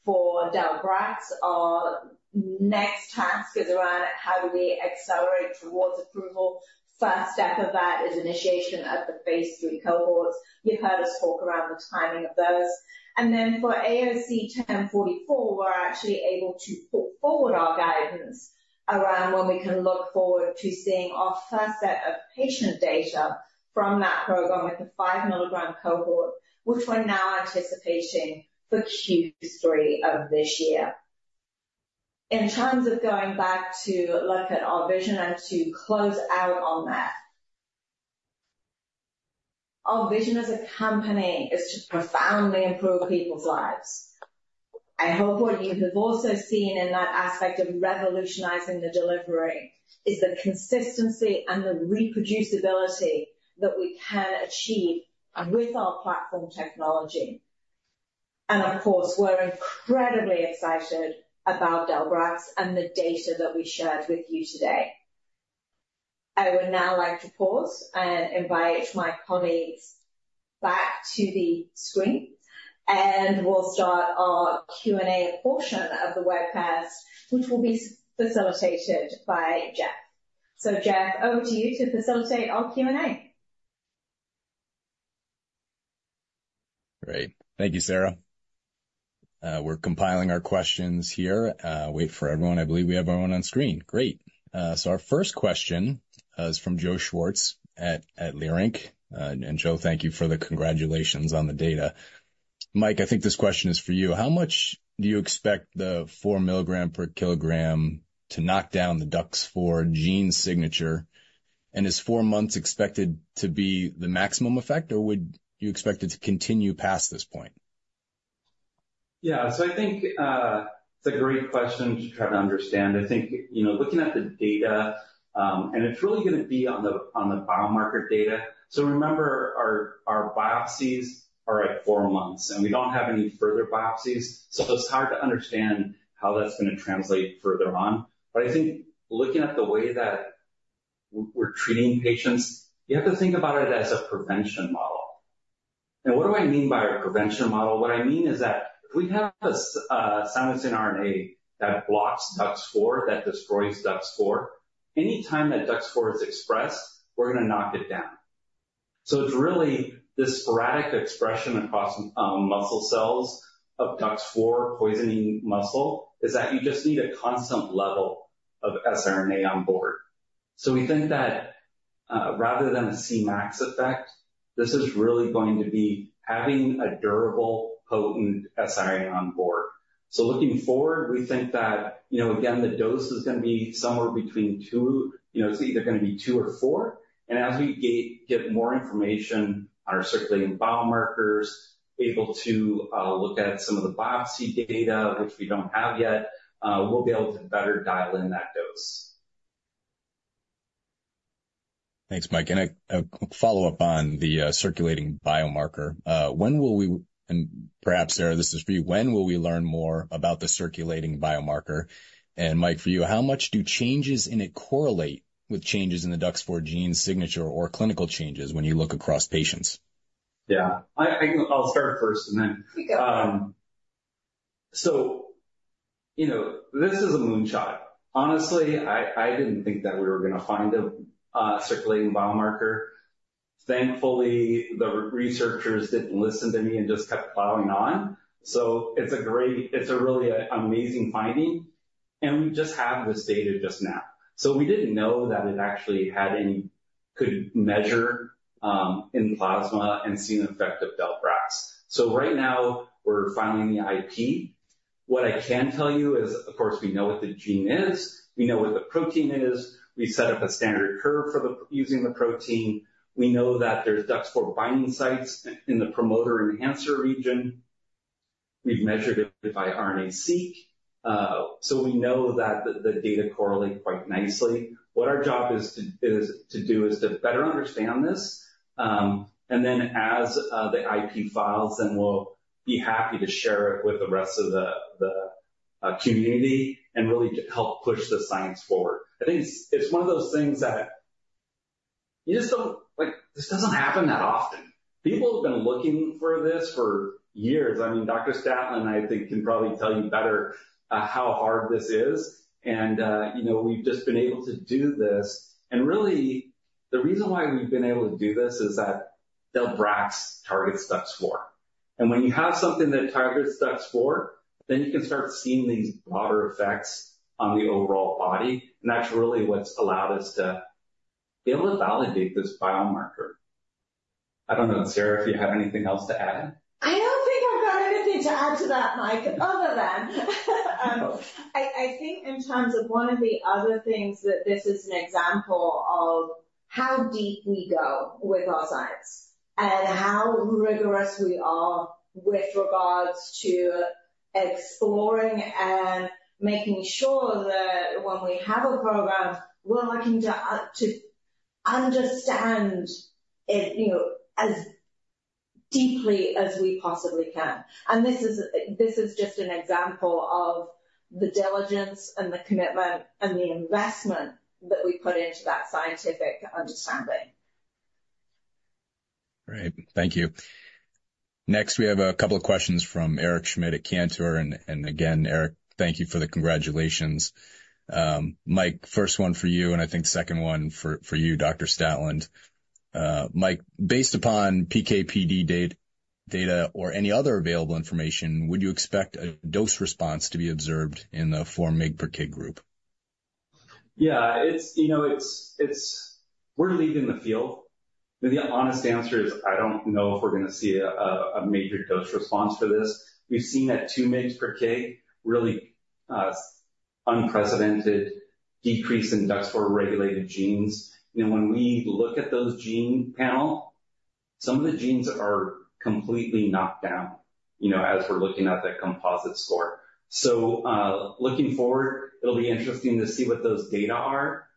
for del-brax. Our next task is around how do we accelerate towards approval. First step of that is initiation of the phase III cohorts. You've heard us talk around the timing of those. And then for AOC 1044, we're actually able to put forward our guidance around when we can look forward to seeing our first set of patient data from that program with the 5 mg cohort, which we're now anticipating for Q3 of this year. In terms of going back to look at our vision and to close out on that. Our vision as a company is to profoundly improve people's lives. I hope what you have also seen in that aspect of revolutionizing the delivery is the consistency and the reproducibility that we can achieve, and with our platform technology. And of course, we're incredibly excited about del-brax and the data that we shared with you today. I would now like to pause and invite my colleagues back to the screen, and we'll start our Q&A portion of the webcast, which will be facilitated by Geoff. So Geoff, over to you to facilitate our Q&A. Great. Thank you, Sarah. We're compiling our questions here. Wait for everyone. I believe we have everyone on screen. Great. So our first question is from Joe Schwartz at Leerink. And Joe, thank you for the congratulations on the data. Mike, I think this question is for you. How much do you expect the 4 mg per kg to knock down the DUX4 gene signature? And is four months expected to be the maximum effect, or would you expect it to continue past this point? Yeah. So I think it's a great question to try to understand. I think, you know, looking at the data, and it's really gonna be on the, on the biomarker data. So remember, our, our biopsies are at four months, and we don't have any further biopsies, so it's hard to understand how that's gonna translate further on. But I think looking at the way that we're treating patients, you have to think about it as a prevention model. And what do I mean by a prevention model? What I mean is that if we have a silencing RNA that blocks DUX4, that destroys DUX4, anytime that DUX4 is expressed, we're gonna knock it down. So it's really this sporadic expression across, muscle cells of DUX4 poisoning muscle, is that you just need a constant level of siRNA on board. So we think that, rather than a C-max effect, this is really going to be having a durable, potent siRNA on board. So looking forward, we think that, you know, again, the dose is gonna be somewhere between 2... You know, it's either gonna be 2 or 4. And as we get more information on our circulating biomarkers, able to look at some of the biopsy data, which we don't have yet, we'll be able to better dial in that dose. Thanks, Mike. And a follow-up on the circulating biomarker. When will we, and perhaps, Sarah, this is for you. When will we learn more about the circulating biomarker? And Mike, for you, how much do changes in it correlate with changes in the DUX4 gene signature or clinical changes when you look across patients? Yeah. I’ll start first, and then- You go. So, you know, this is a moonshot. Honestly, I didn't think that we were gonna find a circulating biomarker. Thankfully, the researchers didn't listen to me and just kept plowing on. So it's a great, it's a really amazing finding, and we just have this data just now. So we didn't know that it actually had any, could measure in plasma and see an effect of del-brax. So right now, we're filing the IP. What I can tell you is, of course, we know what the gene is, we know what the protein is, we set up a standard curve for the using the protein. We know that there's DUX4 binding sites in the promoter enhancer region. We've measured it by RNA-Seq, so we know that the data correlate quite nicely. What our job is to do is to better understand this, and then as the IP files, then we'll be happy to share it with the rest of the community and really to help push the science forward. I think it's one of those things that you just don't like, this doesn't happen that often. People have been looking for this for years. I mean, Dr. Statland, I think, can probably tell you better how hard this is. And you know, we've just been able to do this. And really, the reason why we've been able to do this is that del-brax targets DUX4. And when you have something that targets DUX4, then you can start seeing these broader effects on the overall body, and that's really what's allowed us to be able to validate this biomarker. I don't know, Sarah, if you have anything else to add? I don't think I've got anything to add to that, Mike, other than I think in terms of one of the other things, that this is an example of how deep we go with our science and how rigorous we are with regards to exploring and making sure that when we have a program, we're looking to understand it, you know, as deeply as we possibly can. And this is just an example of the diligence and the commitment and the investment that we put into that scientific understanding. Great. Thank you. Next, we have a couple of questions from Eric Schmidt at Cantor, and again, Eric, thank you for the congratulations. Mike, first one for you, and I think second one for you, Dr. Statland. Mike, based upon PK/PD data or any other available information, would you expect a dose response to be observed in the 4 mg per kg group? Yeah, it's, you know, we're leading the field, but the honest answer is, I don't know if we're gonna see a major dose response for this. We've seen at 2 mgs per kg, really, unprecedented decrease in DUX4-regulated genes. You know, when we look at those gene panel, some of the genes are completely knocked down, you know, as we're looking at that composite score. So, looking forward, it'll be interesting to see what those data are.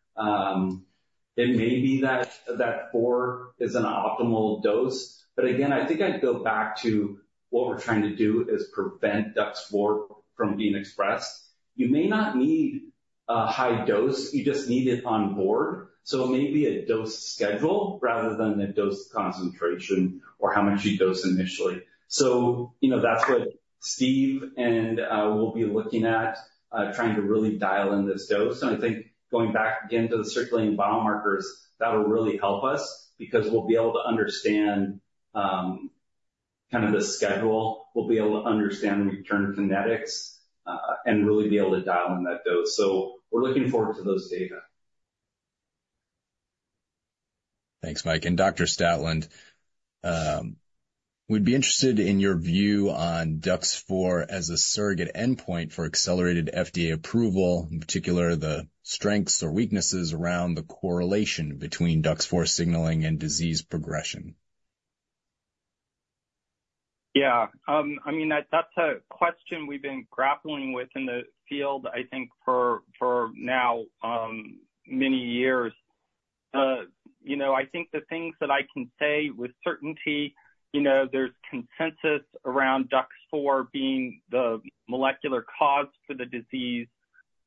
It may be that four is an optimal dose, but again, I think I'd go back to what we're trying to do is prevent DUX4 from being expressed. You may not need a high dose, you just need it on board, so it may be a dose schedule rather than a dose concentration or how much you dose initially. So you know, that's what Steve and we'll be looking at, trying to really dial in this dose. And I think going back again to the circulating biomarkers, that'll really help us because we'll be able to understand kind of the schedule. We'll be able to understand the return kinetics and really be able to dial in that dose. So we're looking forward to those data. Thanks, Mike. And Dr. Statland, we'd be interested in your view on DUX4 as a surrogate endpoint for accelerated FDA approval, in particular, the strengths or weaknesses around the correlation between DUX4 signaling and disease progression. Yeah. I mean, that's a question we've been grappling with in the field, I think, for, for now, many years. You know, I think the things that I can say with certainty, you know, there's consensus around DUX4 being the molecular cause for the disease.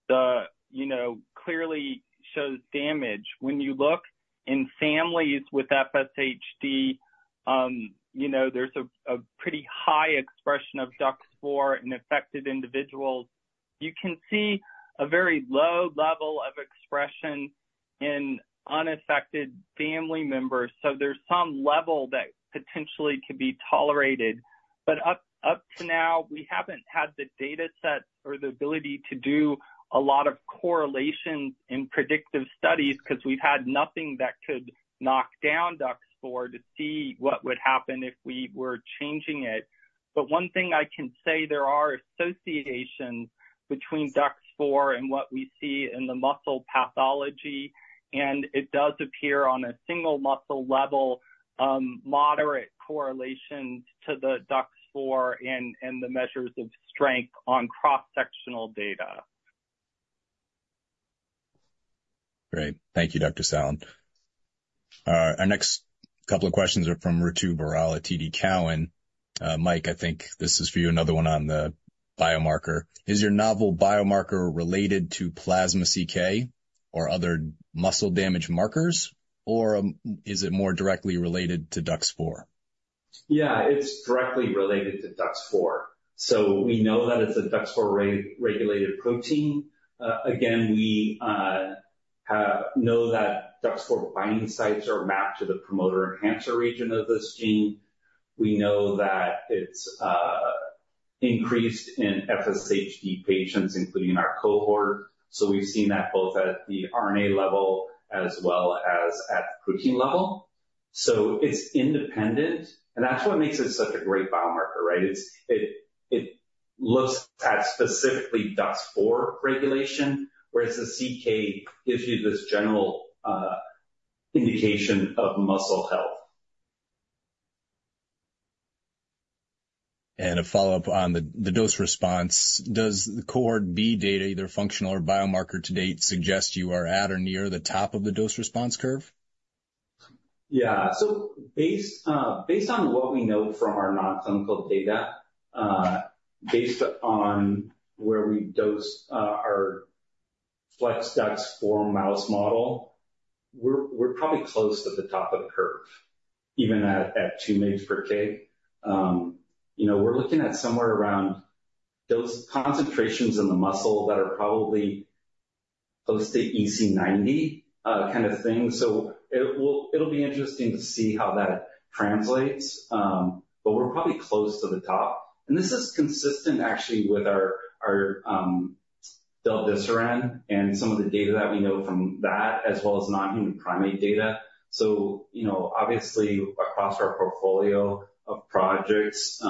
The, you know, clearly shows damage. When you look in families with FSHD, you know, there's a, a pretty high expression of DUX4 in affected individuals. You can see a very low level of expression in unaffected family members, so there's some level that potentially could be tolerated. But up, up to now, we haven't had the data set or the ability to do a lot of correlation in predictive studies because we've had nothing that could knock down DUX4 to see what would happen if we were changing it. But one thing I can say, there are associations between DUX4 and what we see in the muscle pathology, and it does appear on a single muscle level, moderate correlation to the DUX4 and, and the measures of strength on cross-sectional data. Great. Thank you, Dr. Statland. Our next couple of questions are from Ritu Baral at TD Cowen. Mike, I think this is for you, another one on the biomarker. Is your novel biomarker related to plasma CK or other muscle damage markers, or is it more directly related to DUX4? Yeah, it's directly related to DUX4. So we know that it's a DUX4 re-regulated protein. Again, we know that DUX4 binding sites are mapped to the promoter enhancer region of this gene. We know that it's increased in FSHD patients, including our cohort. So we've seen that both at the RNA level as well as at the protein level. So it's independent, and that's what makes it such a great biomarker, right? It looks at specifically DUX4 regulation, whereas the CK gives you this general indication of muscle health. A follow-up on the dose response. Does the Cohort B data, either functional or biomarker to date, suggest you are at or near the top of the dose response curve? Yeah. So based on what we know from our non-clinical data, based on where we dose our FLExDUX4 mouse model, we're probably close to the top of the curve, even at 2 mgs per kg. You know, we're looking at somewhere around those concentrations in the muscle that are probably close to EC90 kind of thing. So it will... It'll be interesting to see how that translates, but we're probably close to the top. And this is consistent actually, with our del-desiran and some of the data that we know from that, as well as non-human primate data. So, you know, obviously across our portfolio of projects,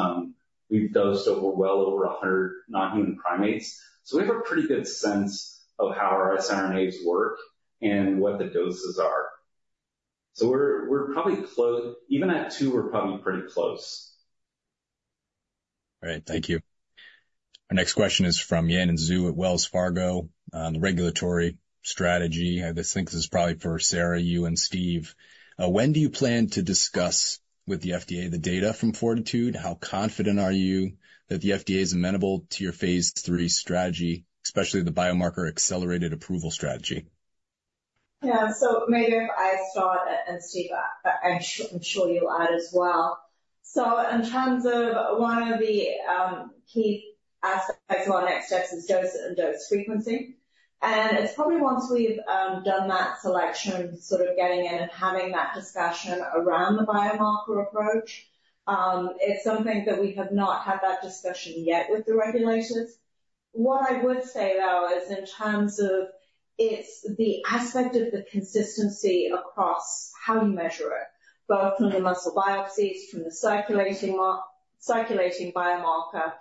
we've dosed over well over a hundred non-human primates. So we have a pretty good sense of how our siRNAs work and what the doses are. So we're probably close. Even at two, we're probably pretty close. Great, thank you. Our next question is from Yanan Zhu at Wells Fargo on the regulatory strategy. I just think this is probably for Sarah, you and Steve. When do you plan to discuss with the FDA the data from FORTITUDE? How confident are you that the FDA is amenable to your phase III strategy, especially the biomarker accelerated approval strategy? Yeah. So maybe if I start and Steve, I'm sure you'll add as well. So in terms of one of the key aspects of our next steps is dose and dose frequency. And it's probably once we've done that selection, sort of getting in and having that discussion around the biomarker approach, it's something that we have not had that discussion yet with the regulators. What I would say, though, is in terms of it's the aspect of the consistency across how you measure it, both from the muscle biopsies, from the circulating biomarker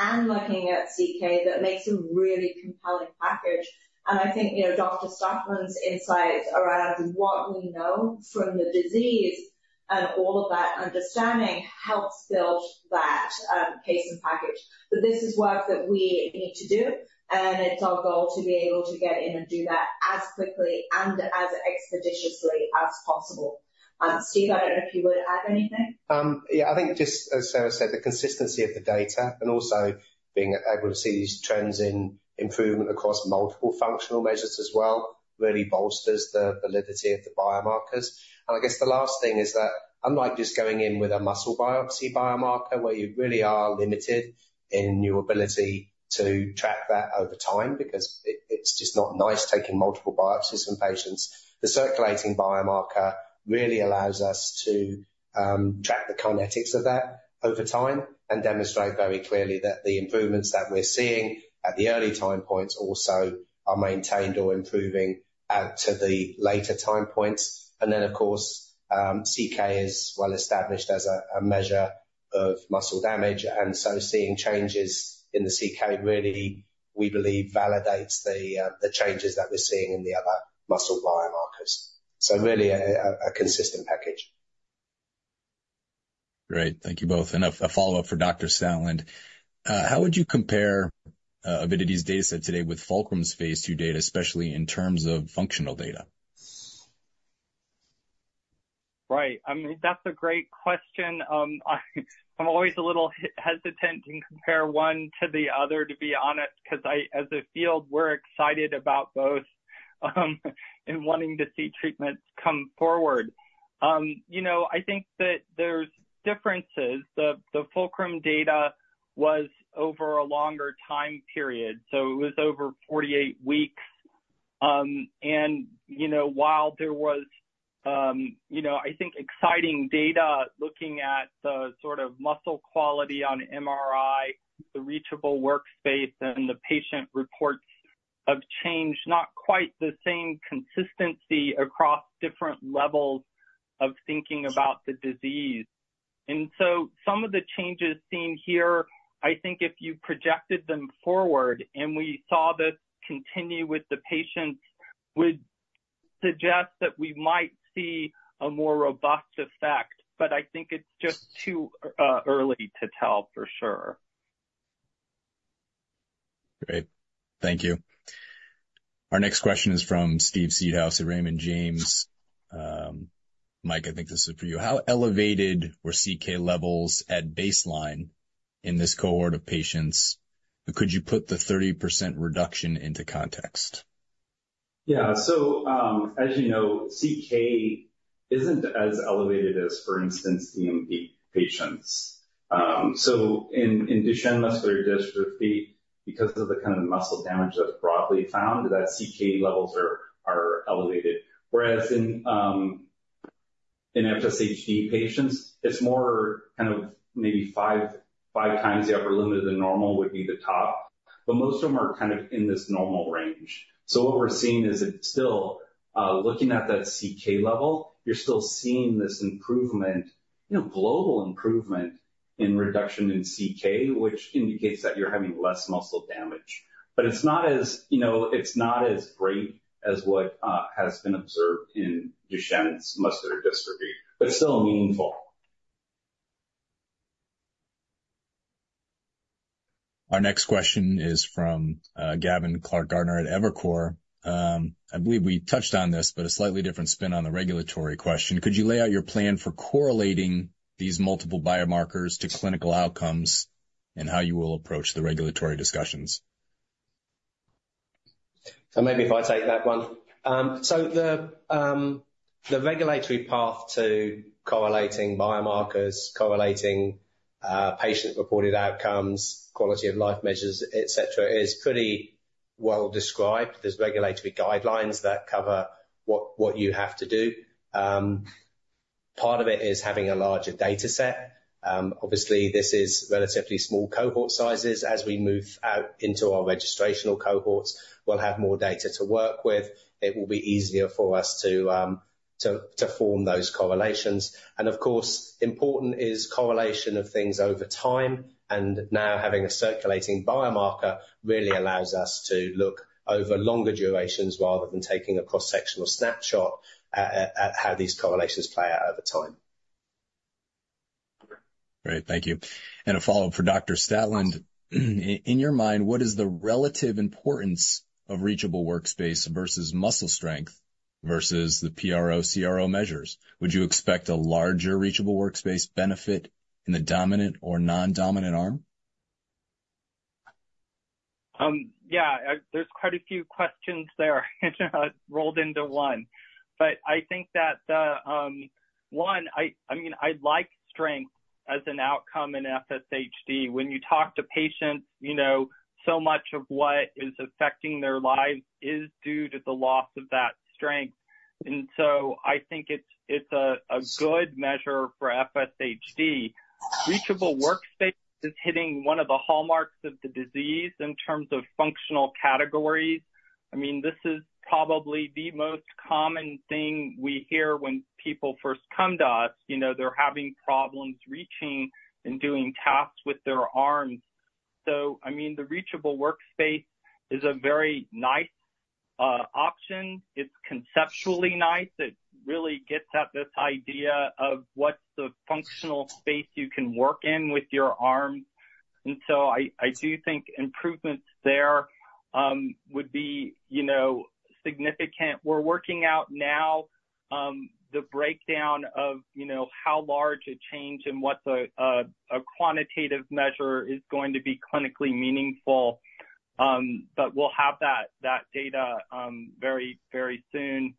and looking at CK, that makes a really compelling package. And I think, you know, Dr. Statland's insights around what we know from the disease and all of that understanding helps build that case and package. But this is work that we need to do, and it's our goal to be able to get in and do that as quickly and as expeditiously as possible. Steve, I don't know if you would add anything. Yeah, I think just as Sarah said, the consistency of the data and also being able to see these trends in improvement across multiple functional measures as well really bolsters the validity of the biomarkers. And I guess the last thing is that unlike just going in with a muscle biopsy biomarker, where you really are limited in your ability to track that over time, because it, it's just not nice taking multiple biopsies from patients. The circulating biomarker really allows us to track the kinetics of that over time and demonstrate very clearly that the improvements that we're seeing at the early time points also are maintained or improving out to the later time points. And then, of course, CK is well established as a measure of muscle damage, and so seeing changes in the CK really, we believe, validates the changes that we're seeing in the other muscle biomarkers. So really a consistent package. Great. Thank you both. And a follow-up for Dr. Statland. How would you compare Avidity's data set today with Fulcrum's phase II data, especially in terms of functional data? Right. I mean, that's a great question. I'm always a little hesitant to compare one to the other, to be honest, 'cause as a field, we're excited about both, and wanting to see treatments come forward. You know, I think that there's differences. The Fulcrum data was over a longer time period, so it was over 48 weeks. And, you know, while there was, I think exciting data looking at the sort of muscle quality on MRI, the reachable workspace and the patient reports of change, not quite the same consistency across different levels of thinking about the disease. And so some of the changes seen here, I think if you projected them forward and we saw this continue with the patients, would suggest that we might see a more robust effect. I think it's just too early to tell for sure. Great, thank you. Our next question is from Steve Seedhouse at Raymond James. Mike, I think this is for you. How elevated were CK levels at baseline in this cohort of patients? Could you put the 30% reduction into context? Yeah. As you know, CK isn't as elevated as, for instance, DMD patients. So in Duchenne muscular dystrophy, because of the kind of muscle damage that's broadly found, CK levels are elevated. Whereas in FSHD patients, it's more kind of maybe five times the upper limit of normal would be the top, but most of them are kind of in this normal range. So what we're seeing is it still looking at that CK level, you're still seeing this improvement, you know, global improvement in reduction in CK, which indicates that you're having less muscle damage. But it's not as, you know, it's not as great as what has been observed in Duchenne muscular dystrophy, but still meaningful. Our next question is from Gavin Clark-Gartner at Evercore. I believe we touched on this, but a slightly different spin on the regulatory question. Could you lay out your plan for correlating these multiple biomarkers to clinical outcomes and how you will approach the regulatory discussions? So maybe if I take that one. So the regulatory path to correlating biomarkers, correlating, patient-reported outcomes, quality of life measures, et cetera, is pretty well described. There's regulatory guidelines that cover what, what you have to do. Part of it is having a larger data set. Obviously, this is relatively small cohort sizes. As we move out into our registrational cohorts, we'll have more data to work with. It will be easier for us to to form those correlations. And of course, important is correlation of things over time, and now having a circulating biomarker really allows us to look over longer durations rather than taking a cross-sectional snapshot at how these correlations play out over time. Great, thank you. A follow-up for Dr. Statland. In your mind, what is the relative importance of Reachable Workspace versus muscle strength versus the PRO-CRO measures? Would you expect a larger Reachable Workspace benefit in the dominant or non-dominant arm? Yeah, there's quite a few questions there rolled into one. But I think that the, One, I mean, I like strength as an outcome in FSHD. When you talk to patients, you know, so much of what is affecting their lives is due to the loss of that strength, and so I think it's, it's a, a good measure for FSHD. Reachable Workspace is hitting one of the hallmarks of the disease in terms of functional categories. I mean, this is probably the most common thing we hear when people first come to us, you know, they're having problems reaching and doing tasks with their arms. So, I mean, the Reachable Workspace is a very nice, option. It's conceptually nice. It really gets at this idea of what's the functional space you can work in with your arm. And so I do think improvements there would be, you know, significant. We're working out now the breakdown of, you know, how large a change and what a quantitative measure is going to be clinically meaningful. But we'll have that data very, very soon.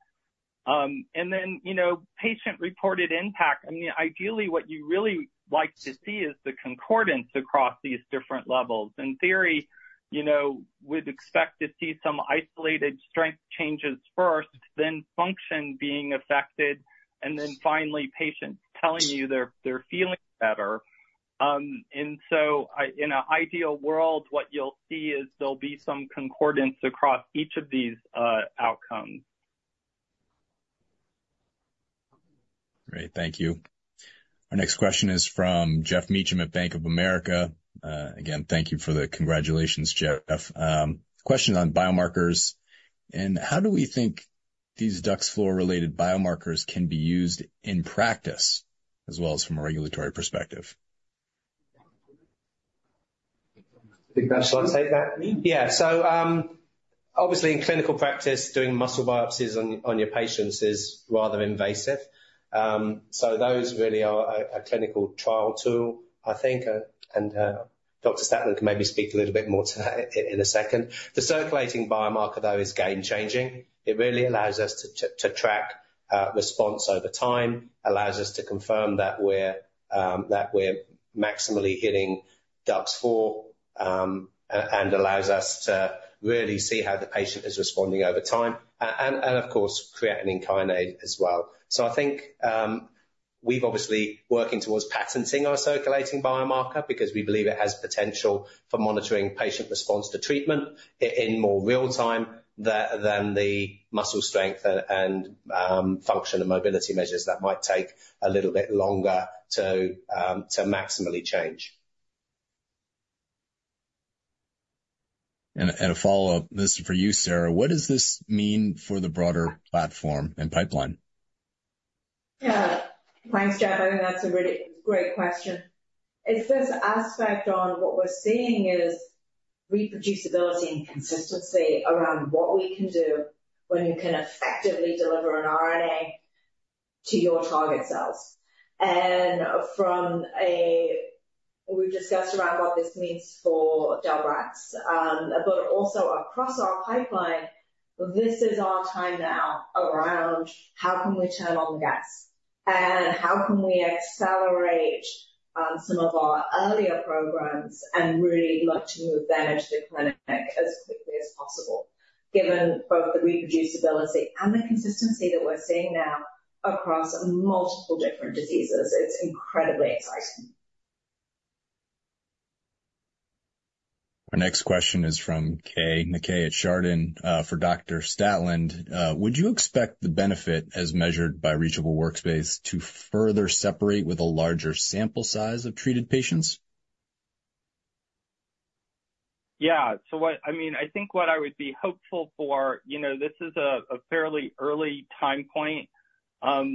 And then, you know, patient-reported impact. I mean, ideally, what you really like to see is the concordance across these different levels. In theory, you know, we'd expect to see some isolated strength changes first, then function being affected, and then finally, patients telling you they're feeling better. And so in an ideal world, what you'll see is there'll be some concordance across each of these outcomes. Great, thank you. Our next question is from Geoff Meacham at Bank of America. Again, thank you for the congratulations, Geoff. Question on biomarkers, and how do we think these DUX4-related biomarkers can be used in practice as well as from a regulatory perspective? Think I should take that? Yeah. So, obviously, in clinical practice, doing muscle biopsies on your patients is rather invasive. So those really are a clinical trial tool, I think. And, Dr. Statland can maybe speak a little bit more to that in a second. The circulating biomarker, though, is game changing. It really allows us to track response over time, allows us to confirm that we're maximally hitting DUX4, and allows us to really see how the patient is responding over time, and, of course, creatine kinase as well. I think, we've obviously working towards patenting our circulating biomarker because we believe it has potential for monitoring patient response to treatment in more real time than the muscle strength and function and mobility measures that might take a little bit longer to maximally change. A follow-up. This is for you, Sarah. What does this mean for the broader platform and pipeline? Yeah. Thanks, Geoff. I think that's a really great question. It's this aspect on what we're seeing is reproducibility and consistency around what we can do when you can effectively deliver an RNA to your target cells. And we've discussed around what this means for del-brax, but also across our pipeline, this is our time now around how can we turn on the gas, and how can we accelerate some of our earlier programs and really look to move them into the clinic as quickly as possible, given both the reproducibility and the consistency that we're seeing now across multiple different diseases. It's incredibly exciting. Our next question is from Keay Nakae at Chardan. For Dr. Statland, would you expect the benefit, as measured by Reachable Workspace, to further separate with a larger sample size of treated patients? Yeah. So what I mean, I think what I would be hopeful for, you know, this is a fairly early time point. As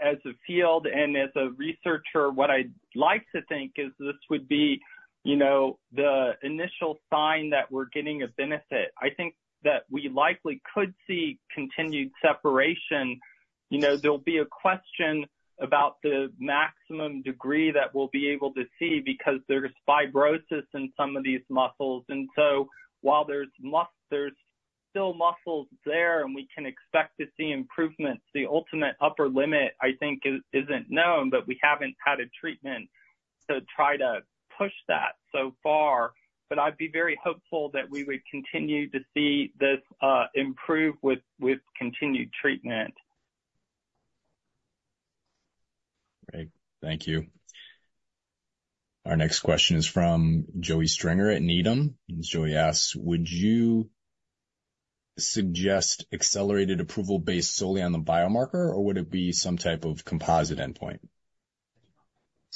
a field and as a researcher, what I'd like to think is this would be, you know, the initial sign that we're getting a benefit. I think that we likely could see continued separation. You know, there'll be a question about the maximum degree that we'll be able to see because there's fibrosis in some of these muscles. And so while there's muscle, there's still muscles there, and we can expect to see improvements, the ultimate upper limit, I think, isn't known, but we haven't had a treatment to try to push that so far. But I'd be very hopeful that we would continue to see this improve with continued treatment. Great. Thank you. Our next question is from Joey Stringer at Needham, and Joey asks: "Would you suggest accelerated approval based solely on the biomarker, or would it be some type of composite endpoint?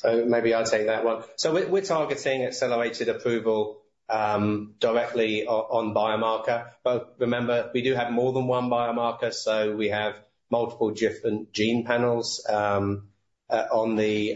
Maybe I'll take that one. We're targeting accelerated approval directly on biomarker. But remember, we do have more than one biomarker, so we have multiple different gene panels on the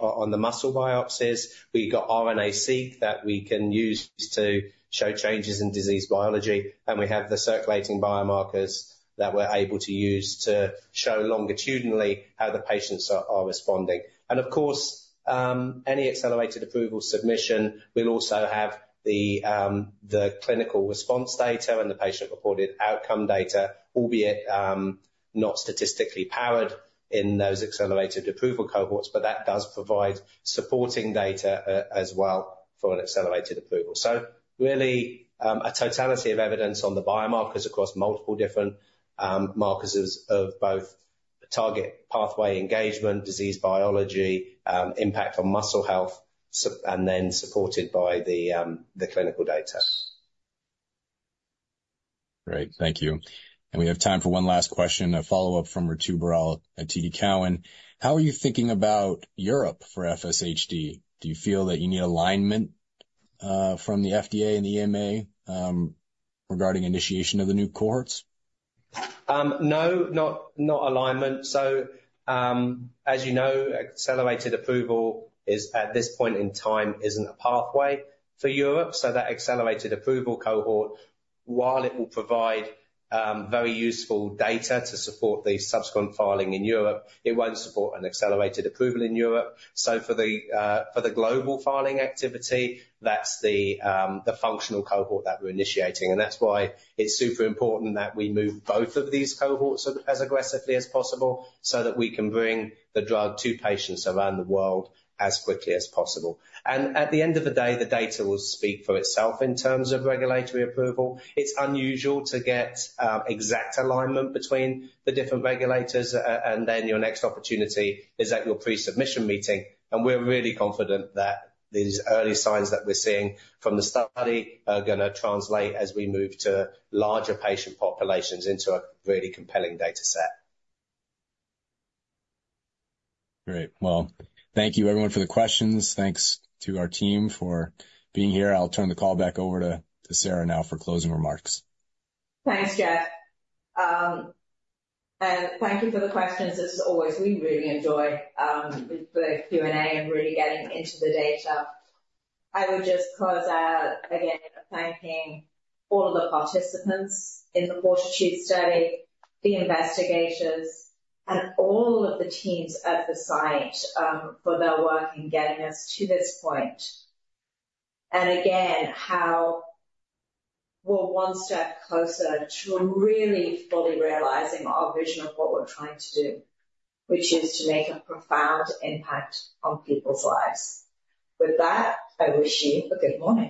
muscle biopsies. We've got RNA-Seq that we can use to show changes in disease biology, and we have the circulating biomarkers that we're able to use to show longitudinally how the patients are responding. Of course, any accelerated approval submission will also have the clinical response data and the patient-reported outcome data, albeit not statistically powered in those accelerated approval cohorts. But that does provide supporting data as well for an accelerated approval. So really, a totality of evidence on the biomarkers across multiple different markers of both target pathway engagement, disease biology, impact on muscle health, and then supported by the clinical data. Great, thank you. And we have time for one last question, a follow-up from Ritu Baral at TD Cowen. "How are you thinking about Europe for FSHD? Do you feel that you need alignment from the FDA and the EMA regarding initiation of the new cohorts? No, not alignment. So, as you know, accelerated approval, at this point in time, isn't a pathway for Europe. So that accelerated approval cohort, while it will provide very useful data to support the subsequent filing in Europe, it won't support an accelerated approval in Europe. So for the global filing activity, that's the functional cohort that we're initiating. And that's why it's super important that we move both of these cohorts as aggressively as possible, so that we can bring the drug to patients around the world as quickly as possible. And at the end of the day, the data will speak for itself in terms of regulatory approval. It's unusual to get exact alignment between the different regulators, and then your next opportunity is at your pre-submission meeting, and we're really confident that these early signs that we're seeing from the study are gonna translate as we move to larger patient populations into a really compelling data set. Great. Well, thank you everyone for the questions. Thanks to our team for being here. I'll turn the call back over to Sarah now for closing remarks. Thanks, Geoff. And thank you for the questions. As always, we really enjoy the Q&A and really getting into the data. I would just close out, again, thanking all of the participants in the FORTITUDE study, the investigators, and all of the teams at the site for their work in getting us to this point. And again, how we're one step closer to really fully realizing our vision of what we're trying to do, which is to make a profound impact on people's lives. With that, I wish you a good morning.